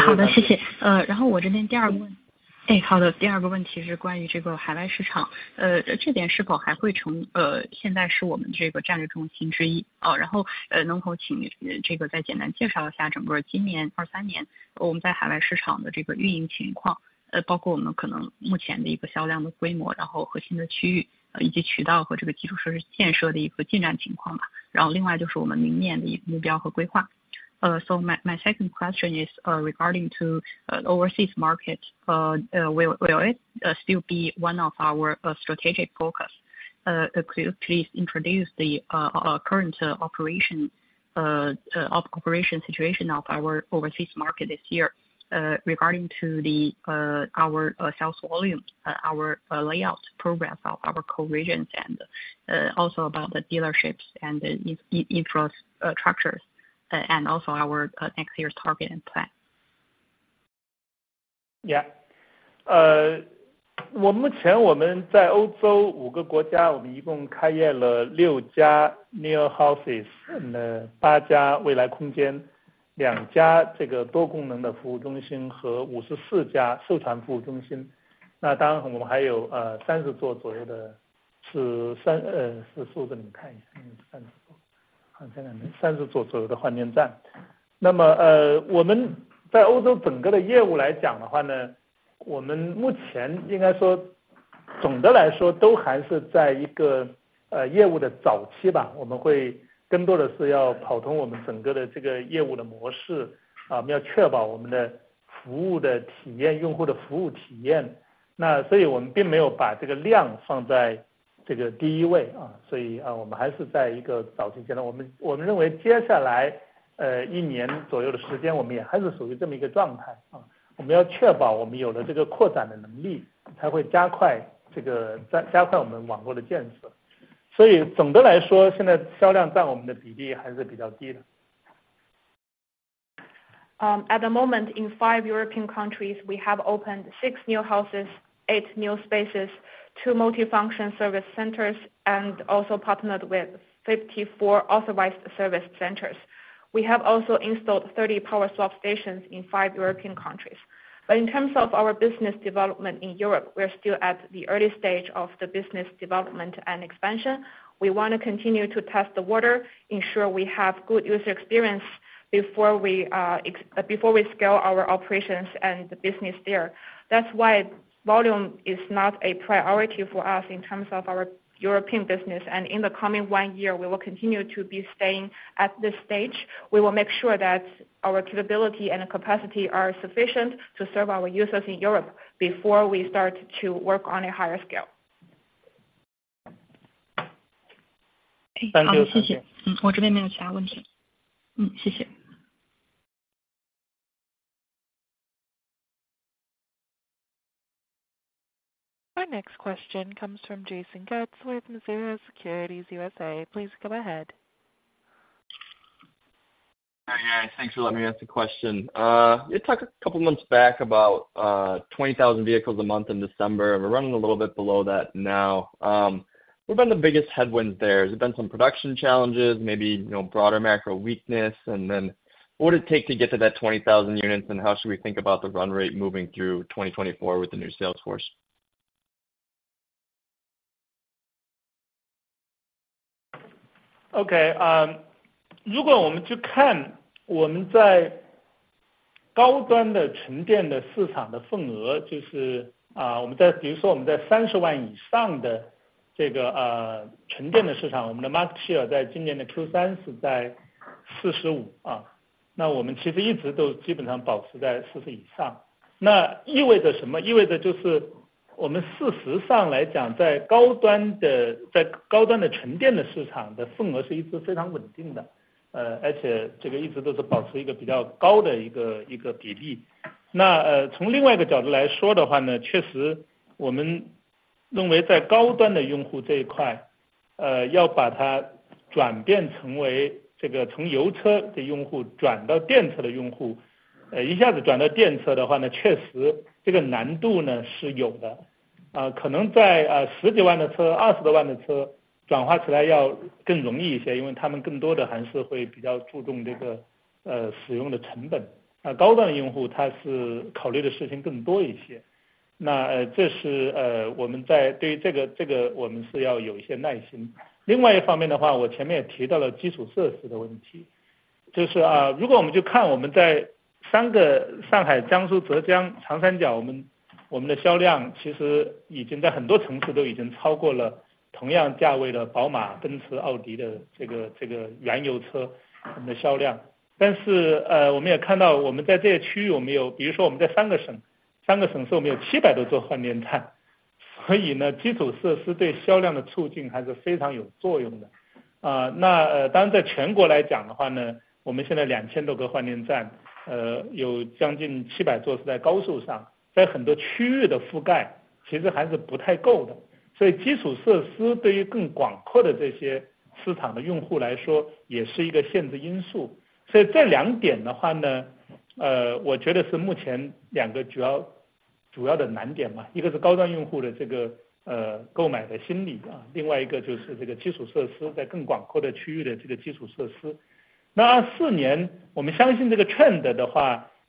好的，谢谢。然后我这边第二个问题是关于这个海外市场，这点是否还会成... 现在是我们这个战略重心之一，然后能否请这个再简单介绍一下整个今年二三年我们在海外市场的这个运营情况，包括我们可能目前的一个销量的规模，然后核心的区域，以及渠道和这个基础设施建设的进展情况吧。然后另外就是我们明年的目标和规划。So my second question is regarding to overseas markets. Will it still be one of our strategic focus? Please introduce the current operation situation of our overseas market this year. Regarding our sales volumes, our layout progress of our core regions, and also about the dealerships and the infrastructure, and also our next year's target and plan. Yeah. 目前我们在欧洲5个国家，我们一共开业了6家NIO House，8家NIO Space，2家这个多功能的服务中心和54家授权服务中心。当然我们还有，30座左右的，是3，是数字，你看一下，好像30座左右的换电站。那么，我们在欧洲整个的业务来讲的话呢，我们目前应该说总的来说都还是在一个，业务的早期吧，我们会更多的是要跑通我们整个的这个业务的模式，啊我们要确保我们的服务的体验，用户的服务体验，那所以我们并没有把这个量放在这个第一位，啊所以啊，我们还是在一个早期阶段，我们，我们认为接下来，1年左右的时间，我们也还是处于这么一个状态，啊。我们要确保我们有了这个扩展的能力，才会加快这个，加-加快我们网络的建设。所以总的来说，现在销量占我们的比例还是比较低的。At the moment, in 5 European countries, we have opened six NIO Houses, eight NIO Spaces, two multifunction service centers, and also partnered with 54 authorized service centers. We have also installed 30 Power Swap stations in 5 European countries. But in terms of our business development in Europe, we are still at the early stage of the business development and expansion. We want to continue to test the water, ensure we have good user experience before we scale our operations and the business there. That's why volume is not a priority for us in terms of our European business. And in the coming 1 year, we will continue to be staying at this stage. We will make sure that our capability and capacity are sufficient to serve our users in Europe before we start to work on a higher scale. ...好，谢谢。我这边没有其他问题了。谢谢。Our next question comes from Jason Getz with Mizuho Securities USA. Please go ahead. Hi, guys, thanks for letting me ask the question. You talked a couple months back about 20,000 vehicles a month in December, and we're running a little bit below that now. What's been the biggest headwinds there? Has there been some production challenges, maybe, you know, broader macro weakness? And then what would it take to get to that 20,000 units, and how should we think about the run rate moving through 2024 with the new sales force? Okay, 如果我们去看我们在高端的纯电的市场的份额，就是... 我们比如说我们在CNY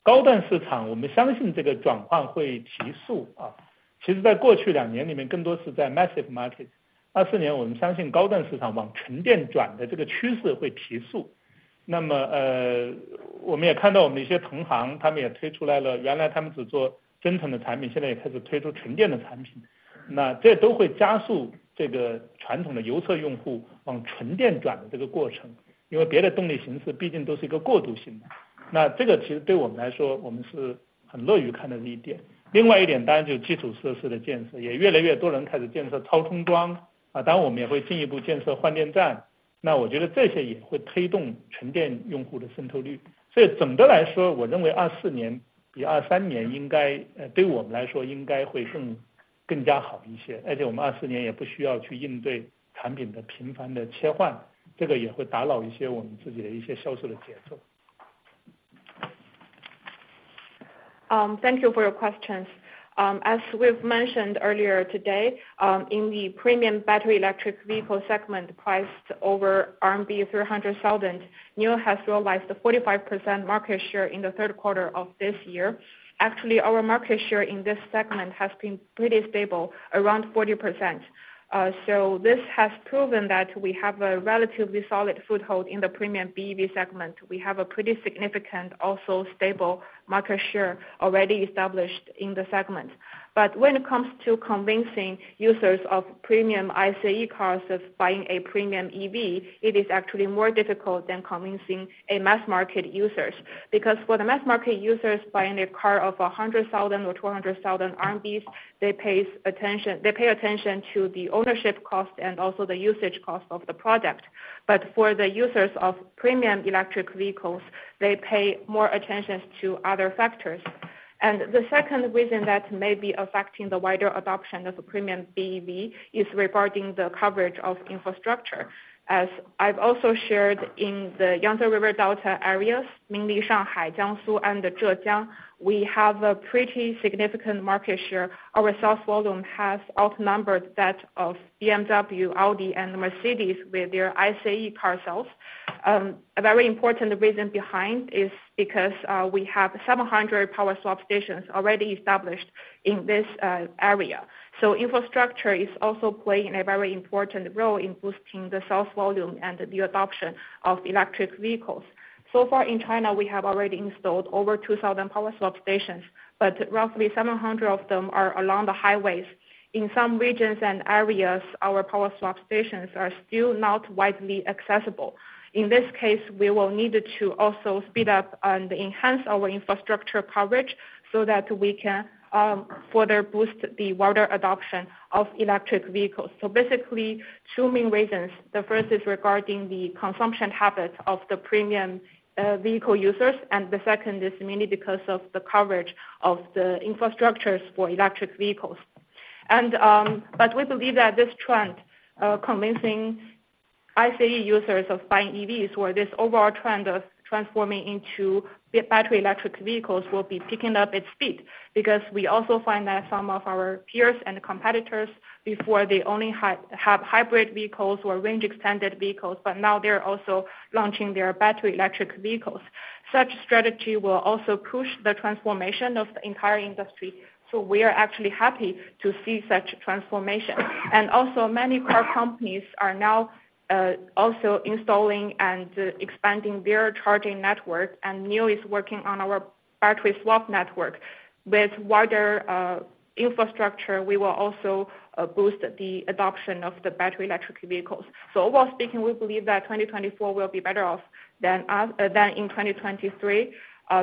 market，2024年我们相信高端市场往纯电转的这个趋势会提速。那么，我们也看到我们一些同行，他们也推出了，原来他们只做增程的产品，现在也开始推出纯电的产品，那这都会加速这个传统的油车用户往纯电转的这个过程，因为别的动力形式毕竟都是一个过渡性的。那这个其实对我们来说，我们是很乐于看到的一点。另外一点，当然就是基础设施的建设，也越来越多的人开始建设超充桩，当然我们也会进一步建设换电站，那我觉得这些也会推动纯电用户的渗透率。所以整个来说，我认为2024年比2023年应该，对我们来说应该会更好一些，而且我们2024年也不需要去应对产品的频繁的切换，这个也会打扰一些我们自己的销售的节奏。Thank you for your questions. As we've mentioned earlier today, in the premium battery electric vehicle segment priced over RMB 300,000, NIO has realized a 45% market share in the third quarter of this year. Actually, our market share in this segment has been pretty stable, around 40%. So this has proven that we have a relatively solid foothold in the premium BEV segment. We have a pretty significant, also stable market share already established in the segment. But when it comes to convincing users of premium ICE cars of buying a premium EV, it is actually more difficult than convincing a mass market users. Because for the mass market users, buying a car of 100,000 or 200,000 RMB, they pay attention to the ownership cost and also the usage cost of the product. But for the users of premium electric vehicles, they pay more attention to other factors. And the second reason that may be affecting the wider adoption of premium BEV is regarding the coverage of infrastructure. As I've also shared in the Yangtze River Delta areas, mainly Shanghai, Jiangsu and Zhejiang, we have a pretty significant market share. Our sales volume has outnumbered that of BMW, Audi and Mercedes with their ICE car sales. A very important reason behind is because we have 700 power swap stations already established in this area. So infrastructure is also playing a very important role in boosting the sales volume and the adoption of electric vehicles. So far, in China, we have already installed over 2,000 power swap stations, but roughly 700 of them are along the highways. In some regions and areas, our power swap stations are still not widely accessible. In this case, we will need to also speed up and enhance our infrastructure coverage so that we can further boost the wider adoption of electric vehicles. So basically, two main reasons: The first is regarding the consumption habits of the premium vehicle users, and the second is mainly because of the coverage of the infrastructures for electric vehicles. But we believe that this trend, convincing EV-ICE users of buying EVs, where this overall trend of transforming into battery electric vehicles will be picking up its speed. Because we also find that some of our peers and competitors, before they only had, have hybrid vehicles or range extended vehicles, but now they're also launching their battery electric vehicles. Such strategy will also push the transformation of the entire industry, so we are actually happy to see such transformation. And also, many car companies are now also installing and expanding their charging network, and NIO is working on our battery swap network. With wider infrastructure, we will also boost the adoption of the battery electric vehicles. So overall speaking, we believe that 2024 will be better off than in 2023,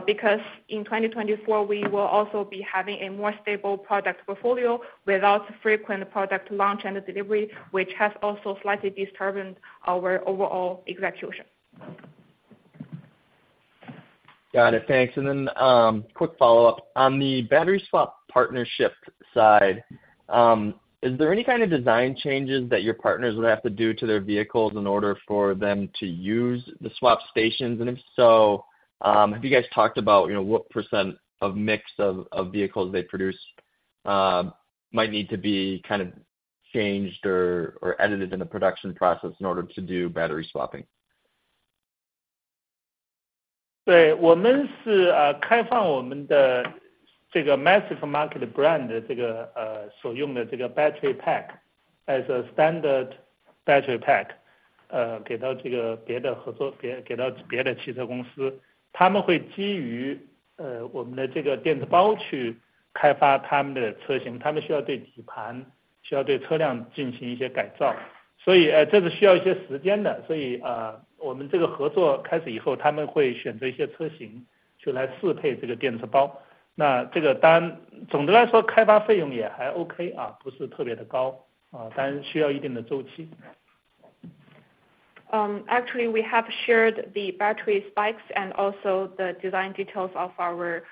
because in 2024, we will also be having a more stable product portfolio without frequent product launch and delivery, which has also slightly disturbed our overall execution. Got it. Thanks. Then, quick follow-up. On the battery swap partnership side, is there any kind of design changes that your partners would have to do to their vehicles in order for them to use the swap stations? And if so, have you guys talked about, you know, what percent of mix of vehicles they produce might need to be kind of changed or edited in the production process in order to do battery swapping? Actually, we have shared the battery specs and also the design details of our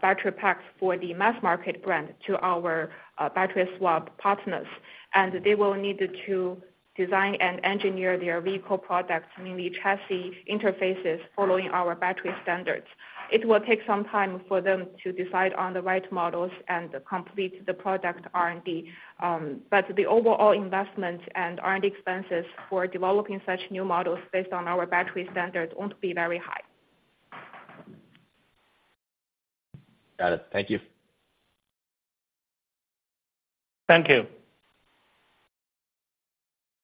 battery packs for the mass market brand to our battery swap partners. And they will need to design and engineer their vehicle products, meaning chassis, interfaces, following our battery standards. It will take some time for them to decide on the right models and complete the product R&D. But the overall investment and R&D expenses for developing such new models based on our battery standards won't be very high. Got it. Thank you. Thank you.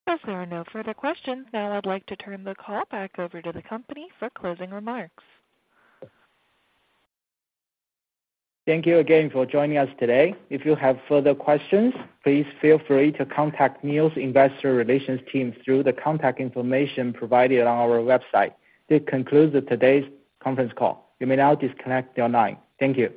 As there are no further questions, now I'd like to turn the call back over to the company for closing remarks. Thank you again for joining us today. If you have further questions, please feel free to contact NIO's Investor Relations team through the contact information provided on our website. This concludes today's conference call. You may now disconnect your line. Thank you.